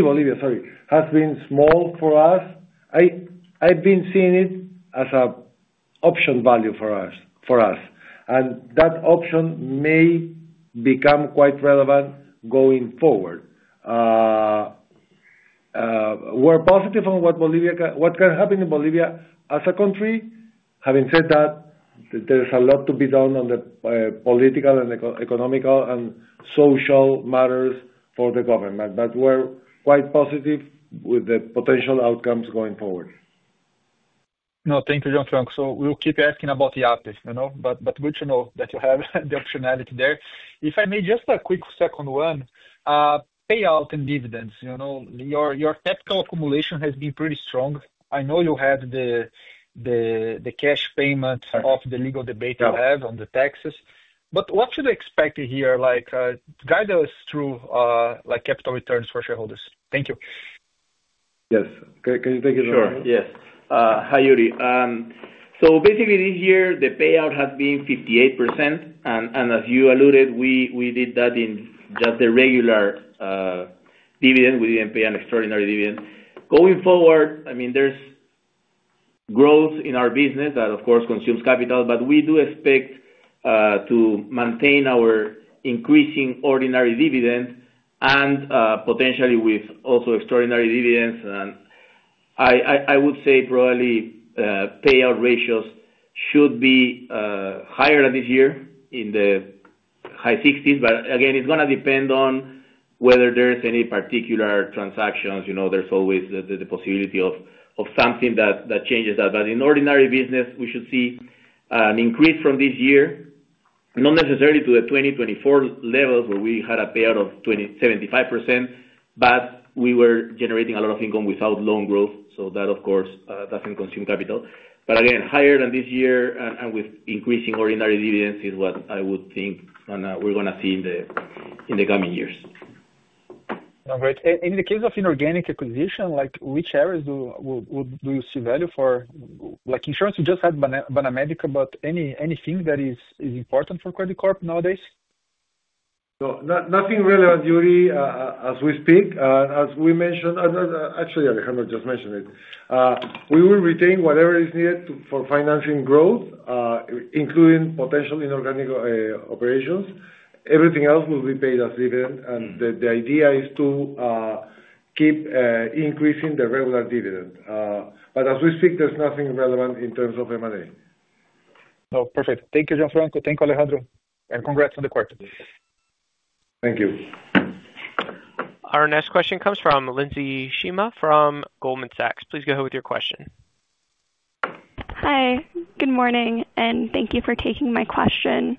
Bolivia has been small for us. I've been seeing it as an option value for us, and that option may become quite relevant going forward. We're positive on what can happen in Bolivia as a country. Having said that, there's a lot to be done on the political and economical and social matters for the government, but we're quite positive with the potential outcomes going forward. No, thank you, Gianfranco. So we'll keep asking about the app, but good to know that you have the optionality there. If I may, just a quick second one, payout and dividends. Your capital accumulation has been pretty strong. I know you had the cash payment of the legal debate you have on the taxes. But what should we expect here? Guide us through capital returns for shareholders. Thank you. Yes. Can you take it over? Sure. Yes. Hi, Yuri. So basically, this year, the payout has been 58%. And as you alluded, we did that in just the regular dividend. We didn't pay an extraordinary dividend. Going forward, I mean, there's growth in our business that, of course, consumes capital, but we do expect to maintain our increasing ordinary dividend and potentially with also extraordinary dividends. I would say probably payout ratios should be higher than this year in the high 60s. Again, it's going to depend on whether there's any particular transactions. There's always the possibility of something that changes that. In ordinary business, we should see an increase from this year, not necessarily to the 2024 levels where we had a payout of 75%, but we were generating a lot of income without loan growth. That, of course, doesn't consume capital. Again, higher than this year and with increasing ordinary dividends is what I would think we're going to see in the coming years. Great. In the case of inorganic acquisition, which areas do you see value for? Insurance, you just had Banmedica, but anything that is important for Credicorp nowadays? Nothing relevant, Yuri, as we speak. As we mentioned—actually, Alejandro just mentioned it—we will retain whatever is needed for financing growth, including potential inorganic operations. Everything else will be paid as dividend. The idea is to keep increasing the regular dividend. As we speak, there is nothing relevant in terms of M&A. No, perfect. Thank you, Gianfranco. Thank you, Alejandro. And congrats on the quarter. Thank you. Our next question comes from Lindsey Shema from Goldman Sachs. Please go ahead with your question. Hi. Good morning. Thank you for taking my question.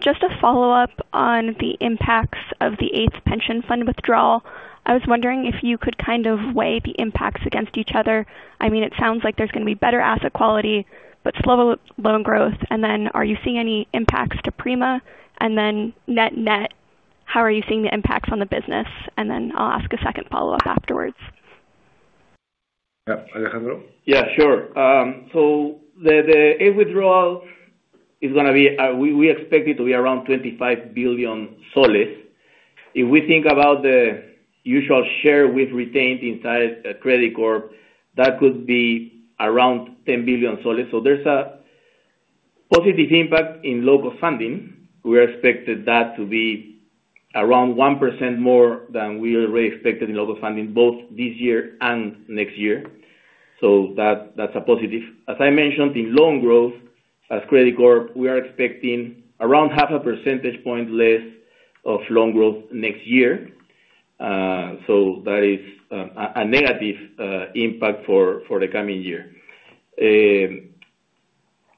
Just a follow-up on the impacts of the eighth pension fund withdrawal. I was wondering if you could kind of weigh the impacts against each other. I mean, it sounds like there is going to be better asset quality, but slower loan growth. Are you seeing any impacts to Prima? Net net, how are you seeing the impacts on the business? I'll ask a second follow-up afterwards. Yeah. Alejandro? Yeah, sure. The eighth withdrawal is going to be—we expect it to be around PEN 25 billion. If we think about the usual share we've retained inside Credicorp, that could be around PEN 10 billion. There's a positive impact in local funding. We expected that to be around 1% more than we already expected in local funding, both this year and next year. That's a positive. As I mentioned, in loan growth, as Credicorp, we are expecting around half a percentage point less of loan growth next year. That is a negative impact for the coming year.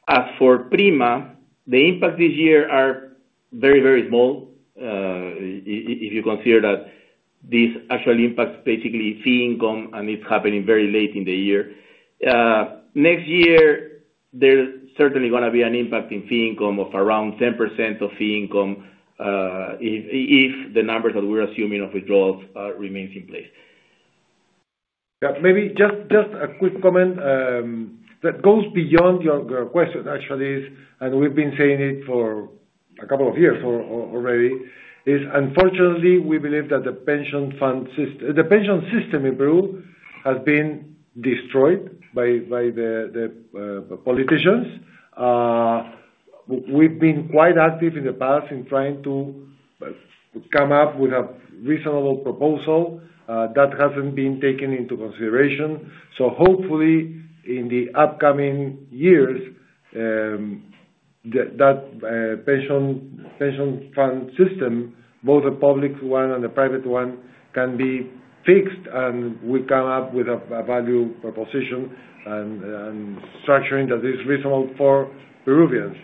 As for Prima, the impact this year is very, very small if you consider that this actually impacts basically fee income, and it is happening very late in the year. Next year, there is certainly going to be an impact in fee income of around 10% of fee income if the numbers that we are assuming of withdrawals remain in place. Yeah. Maybe just a quick comment that goes beyond your question, actually, and we have been saying it for a couple of years already, is unfortunately, we believe that the pension system in Peru has been destroyed by the politicians. We have been quite active in the past in trying to come up with a reasonable proposal that has not been taken into consideration. Hopefully, in the upcoming years, that pension fund system, both the public one and the private one, can be fixed and we come up with a value proposition and structuring that is reasonable for Peruvians.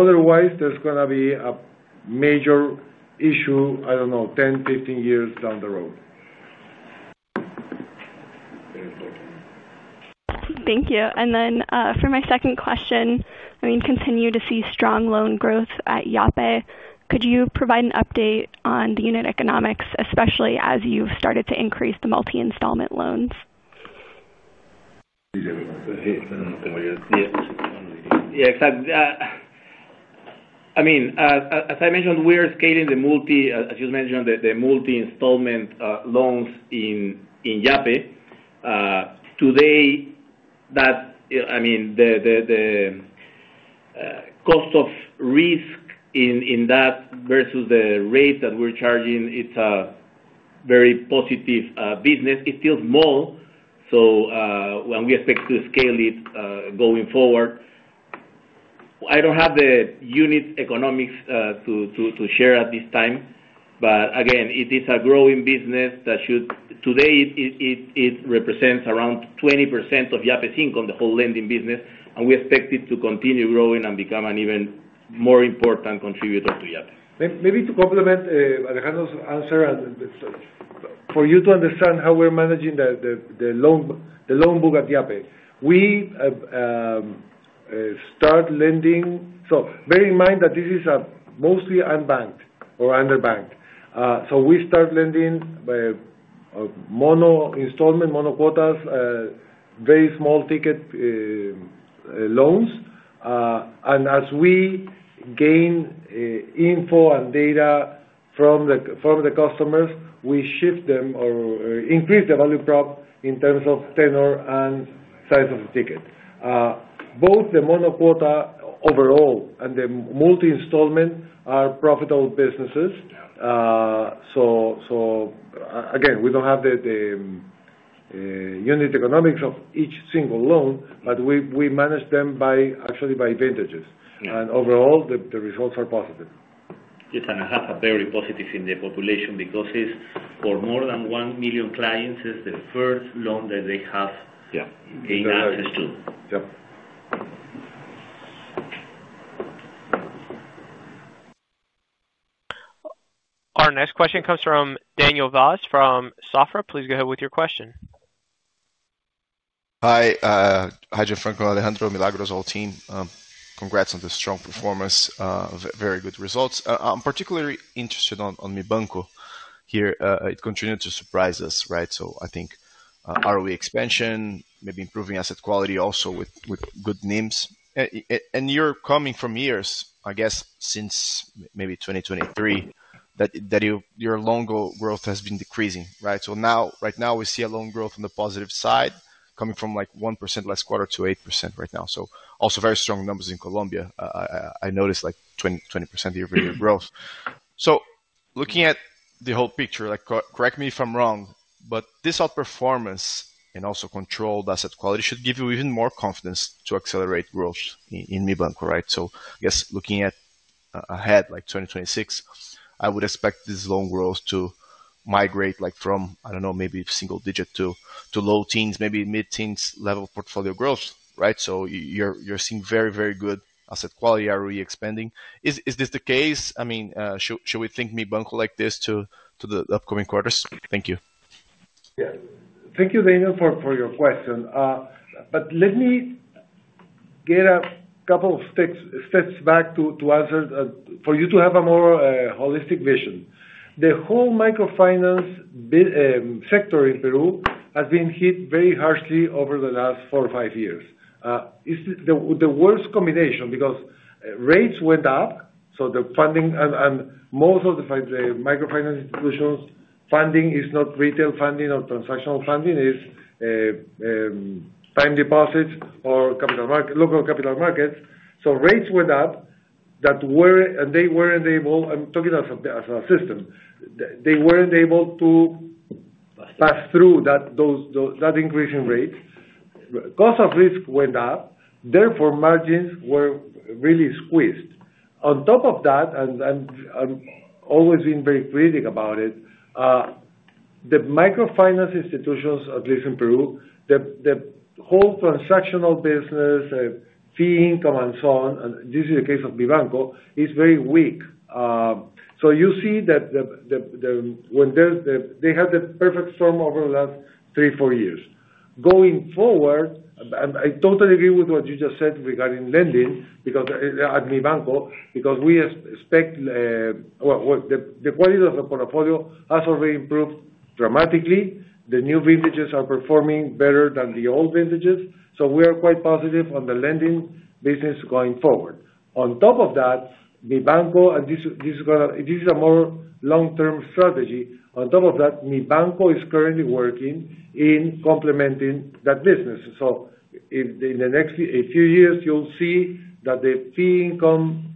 Otherwise, there is going to be a major issue, I do not know, 10-15 years down the road. Thank you. For my second question, I mean, continue to see strong loan growth at Yape. Could you provide an update on the unit economics, especially as you have started to increase the multi-installment loans? Yeah. I mean, as I mentioned, we are scaling the multi, as you mentioned, the multi-installment loans in Yape. Today, I mean, the cost of risk in that versus the rate that we are charging, it is a very positive business. It is still small. When we expect to scale it going forward, I do not have the unit economics to share at this time. Again, it is a growing business that should—today, it represents around 20% of Yape's income, the whole lending business. We expect it to continue growing and become an even more important contributor to Yape. Maybe to complement Alejandro's answer and for you to understand how we are managing the loan book at Yape. We start lending—bear in mind that this is mostly unbanked or underbanked. We start lending mono installment, mono quotas, very small ticket loans. As we gain info and data from the customers, we shift them or increase the value prop in terms of tenor and size of the ticket. Both the mono quota overall and the multi-installment are profitable businesses. Again, we do not have the unit economics of each single loan, but we manage them actually by advantages. Overall, the results are positive. Yes, and it has a very positive impact in the population because for more than 1 million clients, it is the first loan that they have gained access to. Yeah. Our next question comes from Daniel Vaz from Safra. Please go ahead with your question. Hi, Gianfranco, Alejandro, Milagros, all team. Congrats on the strong performance, very good results. I am particularly interested in Mibanco here. It continued to surprise us, right? I think ROE expansion, maybe improving asset quality also with good names. You are coming from years, I guess, since maybe 2023, that your loan growth has been decreasing, right? Right now, we see a loan growth on the positive side coming from like 1% last quarter to 8% right now. Also very strong numbers in Colombia. I noticed like 20% year-over-year growth. Looking at the whole picture, correct me if I'm wrong, but this outperformance and also controlled asset quality should give you even more confidence to accelerate growth in Mibanco, right? I guess looking ahead like 2026, I would expect this loan growth to migrate from, I do not know, maybe single digit to low teens, maybe mid-teens level portfolio growth, right? You are seeing very, very good asset quality, ROE expanding. Is this the case? I mean, should we think Mibanco like this to the upcoming quarters? Thank you. Yeah. Thank you, Daniel, for your question. Let me get a couple of steps back to answer for you to have a more holistic vision. The whole microfinance sector in Peru has been hit very harshly over the last four or five years. It's the worst combination because rates went up. The funding and most of the microfinance institutions' funding is not retail funding or transactional funding. It's time deposits or local capital markets. Rates went up that they were not able—I am talking as a system—they were not able to pass through that increase in rates. Cost of risk went up. Therefore, margins were really squeezed. On top of that, and I am always being very critical about it, the microfinance institutions, at least in Peru, the whole transactional business, fee income, and so on, and this is the case of Mibanco, is very weak. You see that when they had the perfect storm over the last three, four years. Going forward, I totally agree with what you just said regarding lending at Mibanco because we expect the quality of the portfolio has already improved dramatically. The new vintages are performing better than the old vintages. We are quite positive on the lending business going forward. On top of that, Mibanco, and this is a more long-term strategy. On top of that, Mibanco is currently working in complementing that business. In the next few years, you'll see that the fee income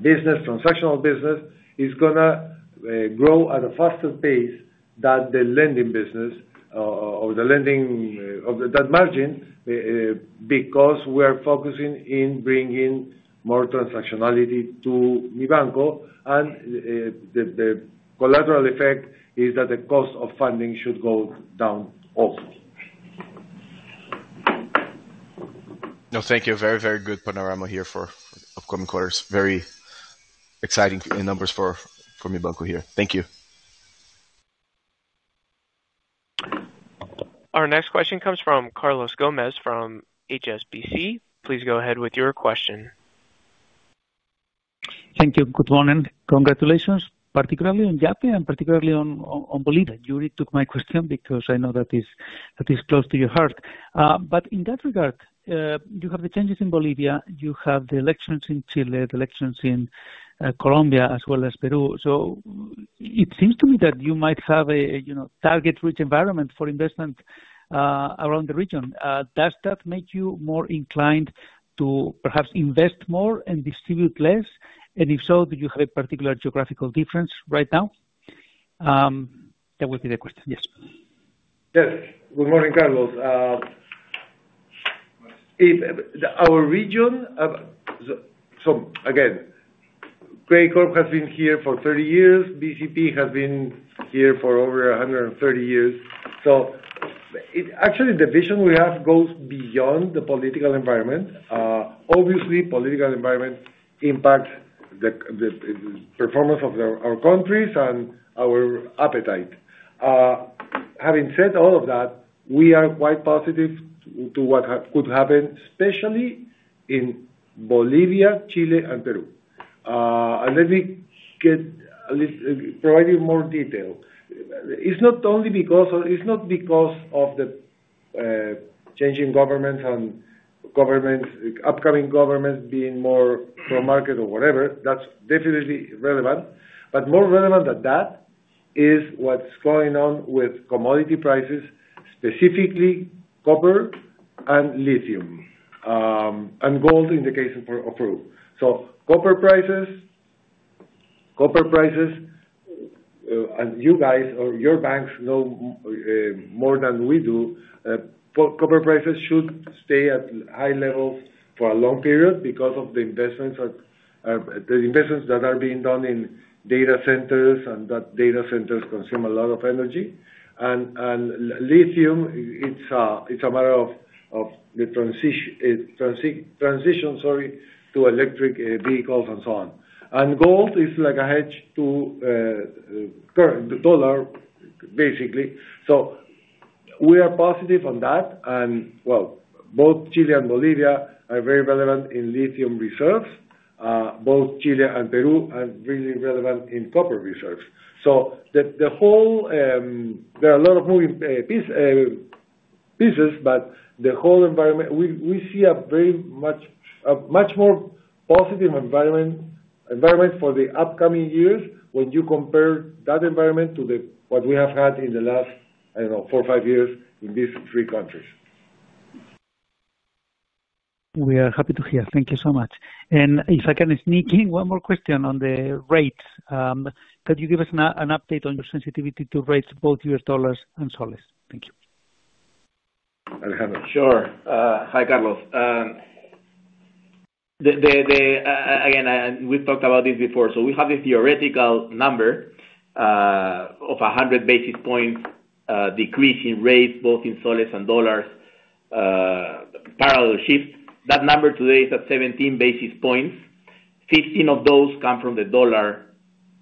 business, transactional business, is going to grow at a faster pace than the lending business or the lending of that margin because we are focusing in bringing more transactionality to Mibanco. The collateral effect is that the cost of funding should go down also. No, thank you. Very, very good panorama here for upcoming quarters. Very exciting numbers for Mibanco here. Thank you. Our next question comes from Carlos Gomez from HSBC. Please go ahead with your question. Thank you. Good morning. Congratulations, particularly on Yape and particularly on Bolivia. You really took my question because I know that it's close to your heart. In that regard, you have the changes in Bolivia. You have the elections in Chile, the elections in Colombia, as well as Peru. It seems to me that you might have a target-rich environment for investment around the region. Does that make you more inclined to perhaps invest more and distribute less? If so, do you have a particular geographical difference right now? That would be the question. Yes. Yes. Good morning, Carlos. Our region, so again, Credicorp has been here for 30 years. BCP has been here for over 130 years. Actually, the vision we have goes beyond the political environment. Obviously, the political environment impacts the performance of our countries and our appetite. Having said all of that, we are quite positive to what could happen, especially in Bolivia, Chile, and Peru. Let me provide you more detail. It's not only because of the changing governments and upcoming governments being more pro-market or whatever. That's definitely relevant. More relevant than that is what's going on with commodity prices, specifically copper and lithium and gold in the case of Peru. Copper prices, and you guys or your banks know more than we do, copper prices should stay at high levels for a long period because of the investments that are being done in data centers and that data centers consume a lot of energy. Lithium, it's a matter of the transition, sorry, to electric vehicles and so on. Gold is like a hedge to the dollar, basically. We are positive on that. Both Chile and Bolivia are very relevant in lithium reserves. Both Chile and Peru are really relevant in copper reserves. There are a lot of moving pieces, but the whole environment, we see a much more positive environment for the upcoming years when you compare that environment to what we have had in the last, I do not know, four or five years in these three countries. We are happy to hear. Thank you so much. If I can sneak in one more question on the rates, could you give us an update on your sensitivity to rates, both U.S. dollars and soles? Thank you. Sure. Hi, Carlos. Again, we have talked about this before. We have the theoretical number of 100 basis points decrease in rates, both in soles and dollars, parallel shift. That number today is at 17 basis points. Fifteen of those come from the dollar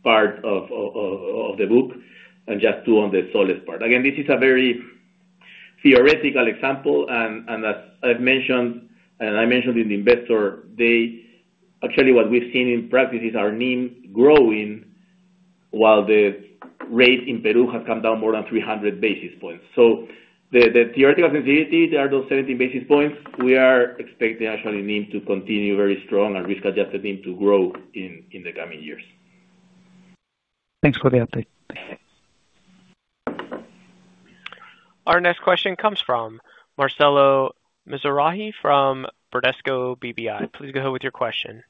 part of the book and just two on the soles part. Again, this is a very theoretical example. As I mentioned, and I mentioned in the investor, actually, what we've seen in practice is our NIM growing while the rate in Peru has come down more than 300 basis points. The theoretical sensitivity there are those 17 basis points. We are expecting actually NIM to continue very strong and risk-adjusted NIM to grow in the coming years. Thanks for the update. Our next question comes from Marcelo Mizahi from Bradesco BBI. Please go ahead with your question.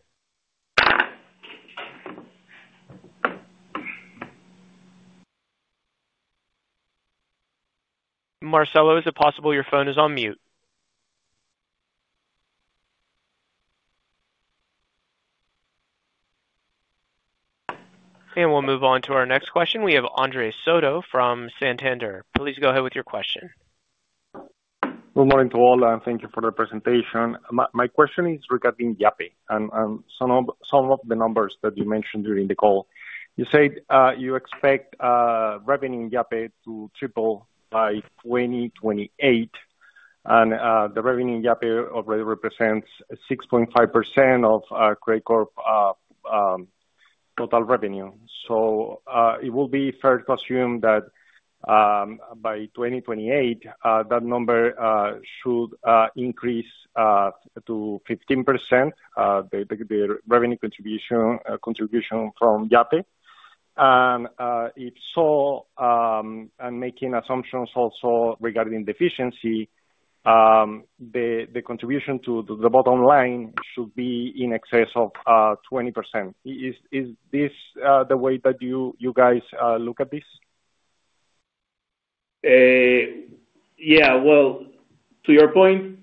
Marcelo, is it possible your phone is on mute? We will move on to our next question. We have Andres Soto from Santander. Please go ahead with your question. Good morning to all, and thank you for the presentation. My question is regarding Yape and some of the numbers that you mentioned during the call. You said you expect revenue in Yape to triple by 2028. The revenue in Yape already represents 6.5% of Credicorp total revenue. It will be fair to assume that by 2028, that number should increase to 15%, the revenue contribution from Yape. If so, and making assumptions also regarding efficiency, the contribution to the bottom line should be in excess of 20%. Is this the way that you guys look at this? Yeah. To your point,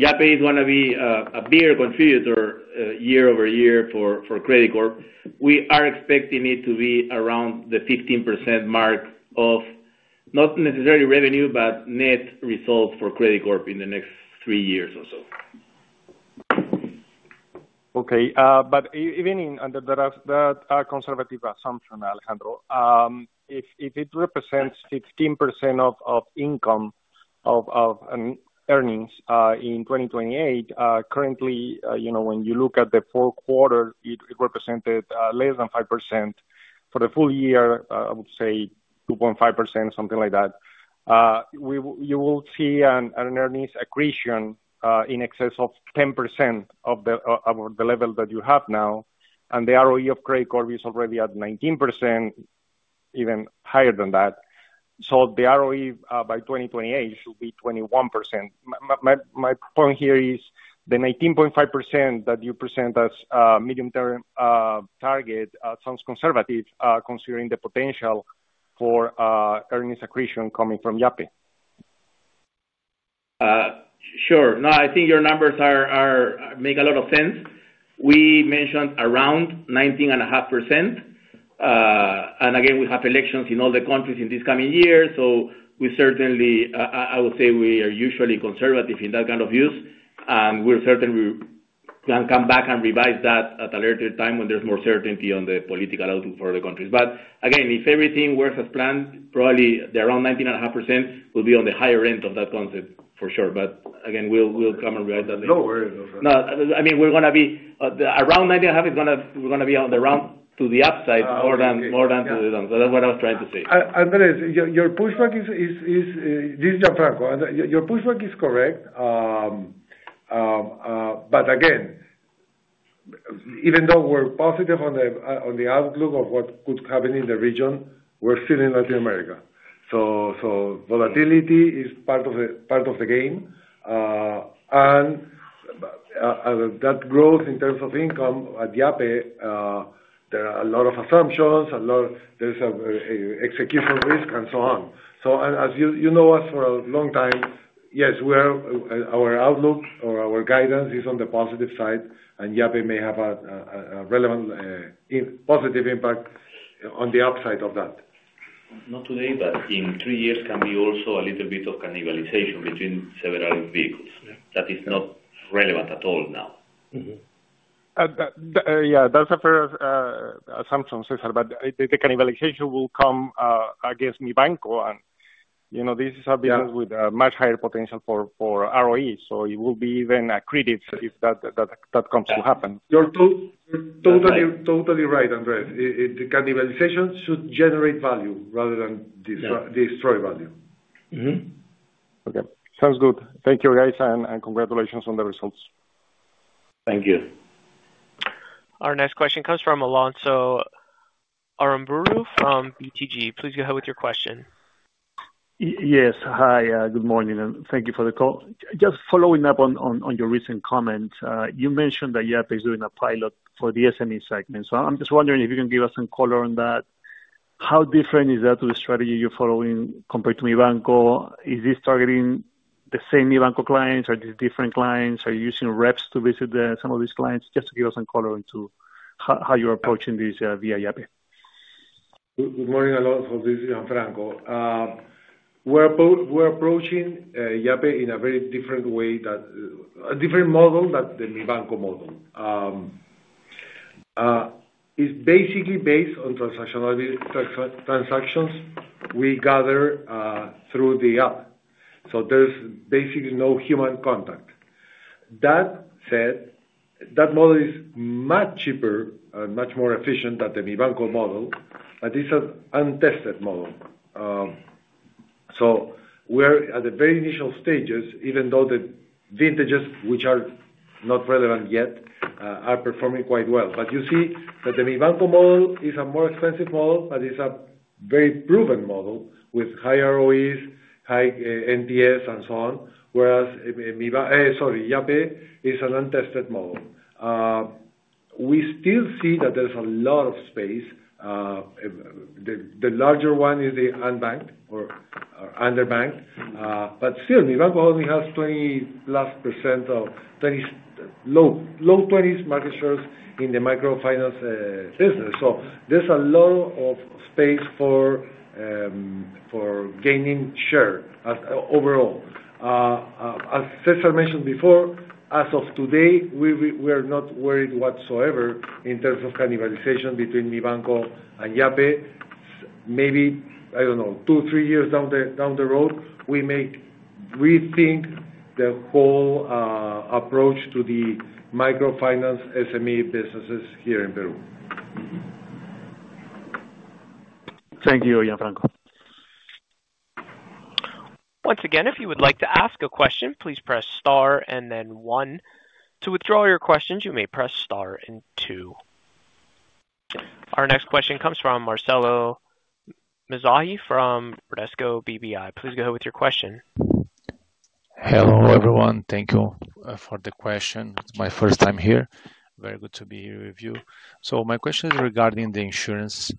Yape is going to be a bigger contributor year-over-year for Credicorp. We are expecting it to be around the 15% mark of not necessarily revenue, but net results for Credicorp in the next three years or so. Okay. Even under that conservative assumption, Alejandro, if it represents 15% of income of earnings in 2028, currently, when you look at the four quarters, it represented less than 5%. For the full year, I would say 2.5%, something like that. You will see an earnings accretion in excess of 10% of the level that you have now. The ROE of Credicorp is already at 19%, even higher than that. The ROE by 2028 should be 21%. My point here is the 19.5% that you present as a medium-term target sounds conservative considering the potential for earnings accretion coming from Yape. Sure. No, I think your numbers make a lot of sense. We mentioned around 19.5%. Again, we have elections in all the countries in this coming year. I would say we are usually conservative in that kind of views. We're certainly going to come back and revise that at a later time when there's more certainty on the political outlook for the countries. Again, if everything works as planned, probably around 19.5% will be on the higher end of that concept, for sure. Again, we'll come and revise that later. No worries. No worries. No. I mean, we're going to be around 19.5%, we're going to be on the round to the upside more than to the downside. That's what I was trying to say. Andres, your pushback is this is Gianfranco. Your pushback is correct. Again, even though we're positive on the outlook of what could happen in the region, we're still in Latin America. Volatility is part of the game. That growth in terms of income at Yape, there are a lot of assumptions, there's execution risk, and so on. As you know us for a long time, yes, our outlook or our guidance is on the positive side. Yape may have a relevant positive impact on the upside of that. Not today, but in three years can be also a little bit of cannibalization between several vehicles. That is not relevant at all now. Yeah. That is a fair assumption, Cesar. The cannibalization will come against Mibanco. This is a business with a much higher potential for ROE. It will be even accredited if that comes to happen. You are totally right, Andres. The cannibalization should generate value rather than destroy value. Okay. Sounds good. Thank you, guys. Congratulations on the results. Thank you. Our next question comes from Alonso Aramburu from BTG. Please go ahead with your question. Yes. Hi. Good morning. Thank you for the call. Just following up on your recent comments, you mentioned that Yape is doing a pilot for the SME segment. So I'm just wondering if you can give us some color on that. How different is that to the strategy you're following compared to Mibanco? Is this targeting the same Mibanco clients? Are these different clients? Are you using reps to visit some of these clients? Just to give us some color into how you're approaching this via Yape. Good morning a lot for this Gianfranco. We're approaching Yape in a very different way, a different model than the Mibanco model. It's basically based on transactions we gather through the app. So there's basically no human contact. That said, that model is much cheaper and much more efficient than the Mibanco model. But it's an untested model. We're at the very initial stages, even though the vintages, which are not relevant yet, are performing quite well. You see that the Mibanco model is a more expensive model, but it's a very proven model with high ROEs, high NPS, and so on. Whereas Yape is an untested model. We still see that there's a lot of space. The larger one is the unbanked or underbanked. Still, Mibanco only has 20+% or low 20s market shares in the microfinance business. There's a lot of space for gaining share overall. As Cesar mentioned before, as of today, we are not worried whatsoever in terms of cannibalization between Mibanco and Yape. Maybe, I don't know, two, three years down the road, we may rethink the whole approach to the microfinance SME businesses here in Peru. Thank you, Gianfranco. Once again, if you would like to ask a question, please press star and then one. To withdraw your questions, you may press star and two. Our next question comes from Marcelo Mizahi from Bradesco BBI. Please go ahead with your question. Hello everyone. Thank you for the question. It's my first time here. Very good to be here with you. My question is regarding the insurance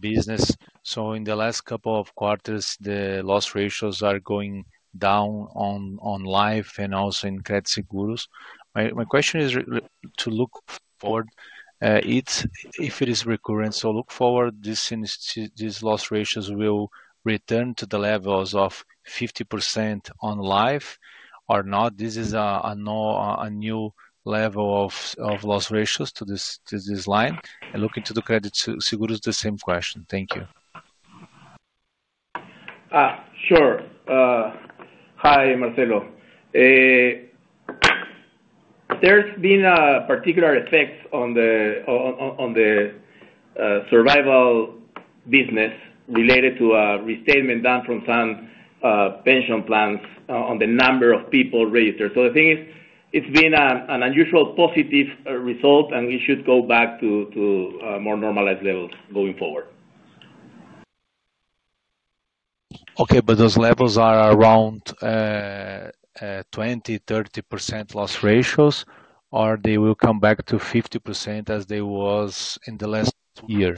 business. In the last couple of quarters, the loss ratios are going down on life and also in credit seguros. My question is to look forward if it is recurrent. Look forward, these loss ratios will return to the levels of 50% on life or not. Is this a new level of loss ratios to this line? Looking to the credit seguros, the same question. Thank you. Sure. Hi, Marcelo. There's been a particular effect on the survival business related to a restatement done from some pension plans on the number of people registered. The thing is, it's been an unusual positive result, and it should go back to more normalized levels going forward. Okay. Those levels are around 20%-30% loss ratios, or will they come back to 50% as they were in the last year?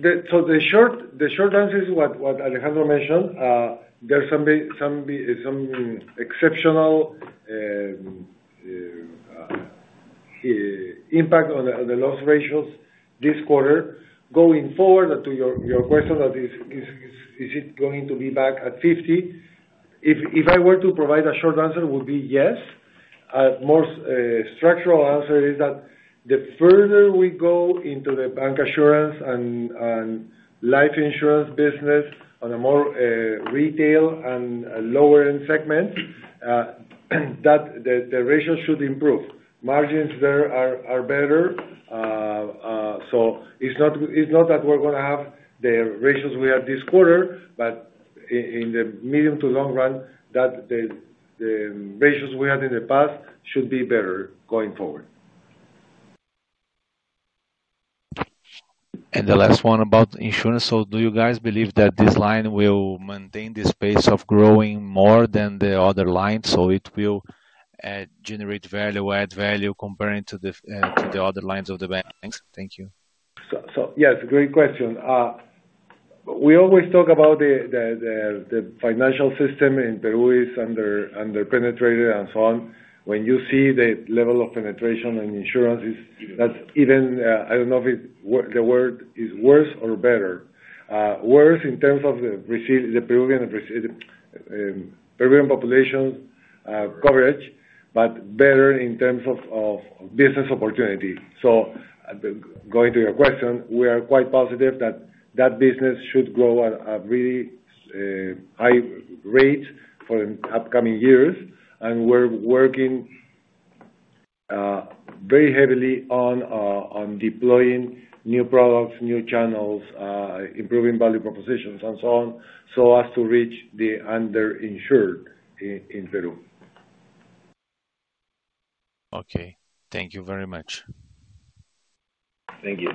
The short answer is what Alejandro mentioned. There's some exceptional impact on the loss ratios this quarter. Going forward to your question, is it going to be back at 50%? If I were to provide a short answer, it would be yes. A more structural answer is that the further we go into the bank assurance and life insurance business on a more retail and lower-end segment, the ratio should improve. Margins there are better. It is not that we are going to have the ratios we had this quarter, but in the medium to long run, the ratios we had in the past should be better going forward. The last one about insurance. Do you guys believe that this line will maintain the pace of growing more than the other lines? Will it generate value, add value compared to the other lines of the banks? Thank you. Yes, great question. We always talk about the financial system in Peru being underpenetrated and so on. When you see the level of penetration in insurances, that is even, I do not know if the word is worse or better. Worse in terms of the Peruvian population coverage, but better in terms of business opportunity. Going to your question, we are quite positive that that business should grow at a really high rate for the upcoming years. We are working very heavily on deploying new products, new channels, improving value propositions, and so on, so as to reach the underinsured in Peru. Okay. Thank you very much. Thank you.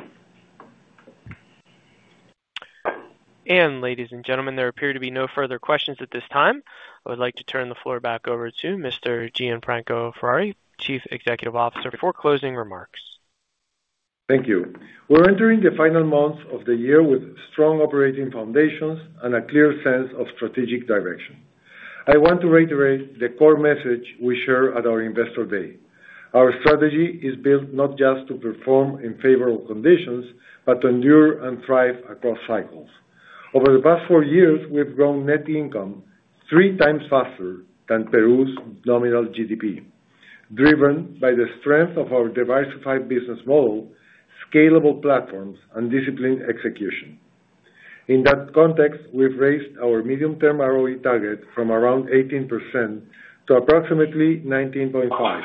Ladies and gentlemen, there appear to be no further questions at this time. I would like to turn the floor back over to Mr. Gianfranco Ferrari, Chief Executive Officer, for closing remarks. Thank you. We are entering the final months of the year with strong operating foundations and a clear sense of strategic direction. I want to reiterate the core message we shared at our investor day. Our strategy is built not just to perform in favorable conditions, but to endure and thrive across cycles. Over the past four years, we've grown net income three times faster than Peru's nominal GDP, driven by the strength of our diversified business model, scalable platforms, and disciplined execution. In that context, we've raised our medium-term ROE target from around 18% to approximately 19.5%,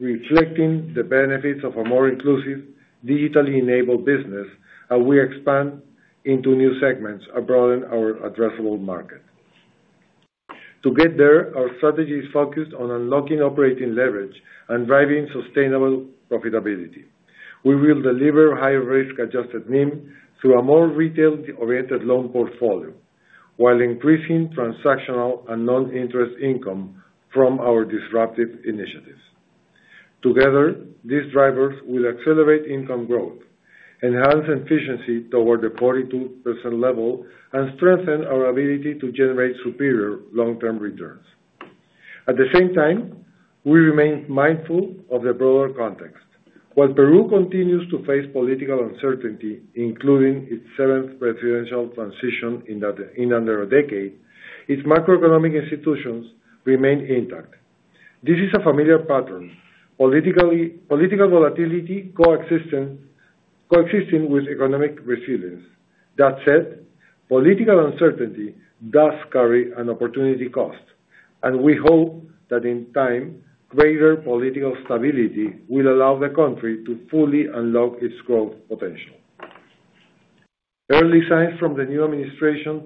reflecting the benefits of a more inclusive, digitally enabled business as we expand into new segments abroad in our addressable market. To get there, our strategy is focused on unlocking operating leverage and driving sustainable profitability. We will deliver high risk-adjusted NIM through a more retail-oriented loan portfolio, while increasing transactional and non-interest income from our disruptive initiatives. Together, these drivers will accelerate income growth, enhance efficiency toward the 42% level, and strengthen our ability to generate superior long-term returns. At the same time, we remain mindful of the broader context. While Peru continues to face political uncertainty, including its seventh presidential transition in under a decade, its macroeconomic institutions remain intact. This is a familiar pattern: political volatility coexisting with economic resilience. That said, political uncertainty does carry an opportunity cost. We hope that in time, greater political stability will allow the country to fully unlock its growth potential. Early signs from the new administration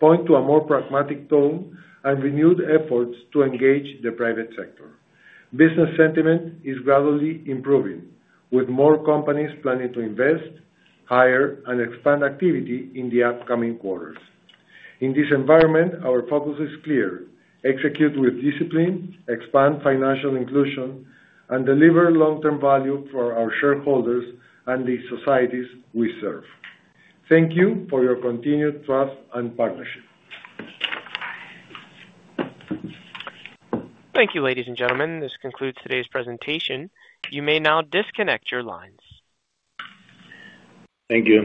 point to a more pragmatic tone and renewed efforts to engage the private sector. Business sentiment is gradually improving, with more companies planning to invest, hire, and expand activity in the upcoming quarters. In this environment, our focus is clear: execute with discipline, expand financial inclusion, and deliver long-term value for our shareholders and the societies we serve. Thank you for your continued trust and partnership. Thank you, ladies and gentlemen. This concludes today's presentation. You may now disconnect your lines. Thank you.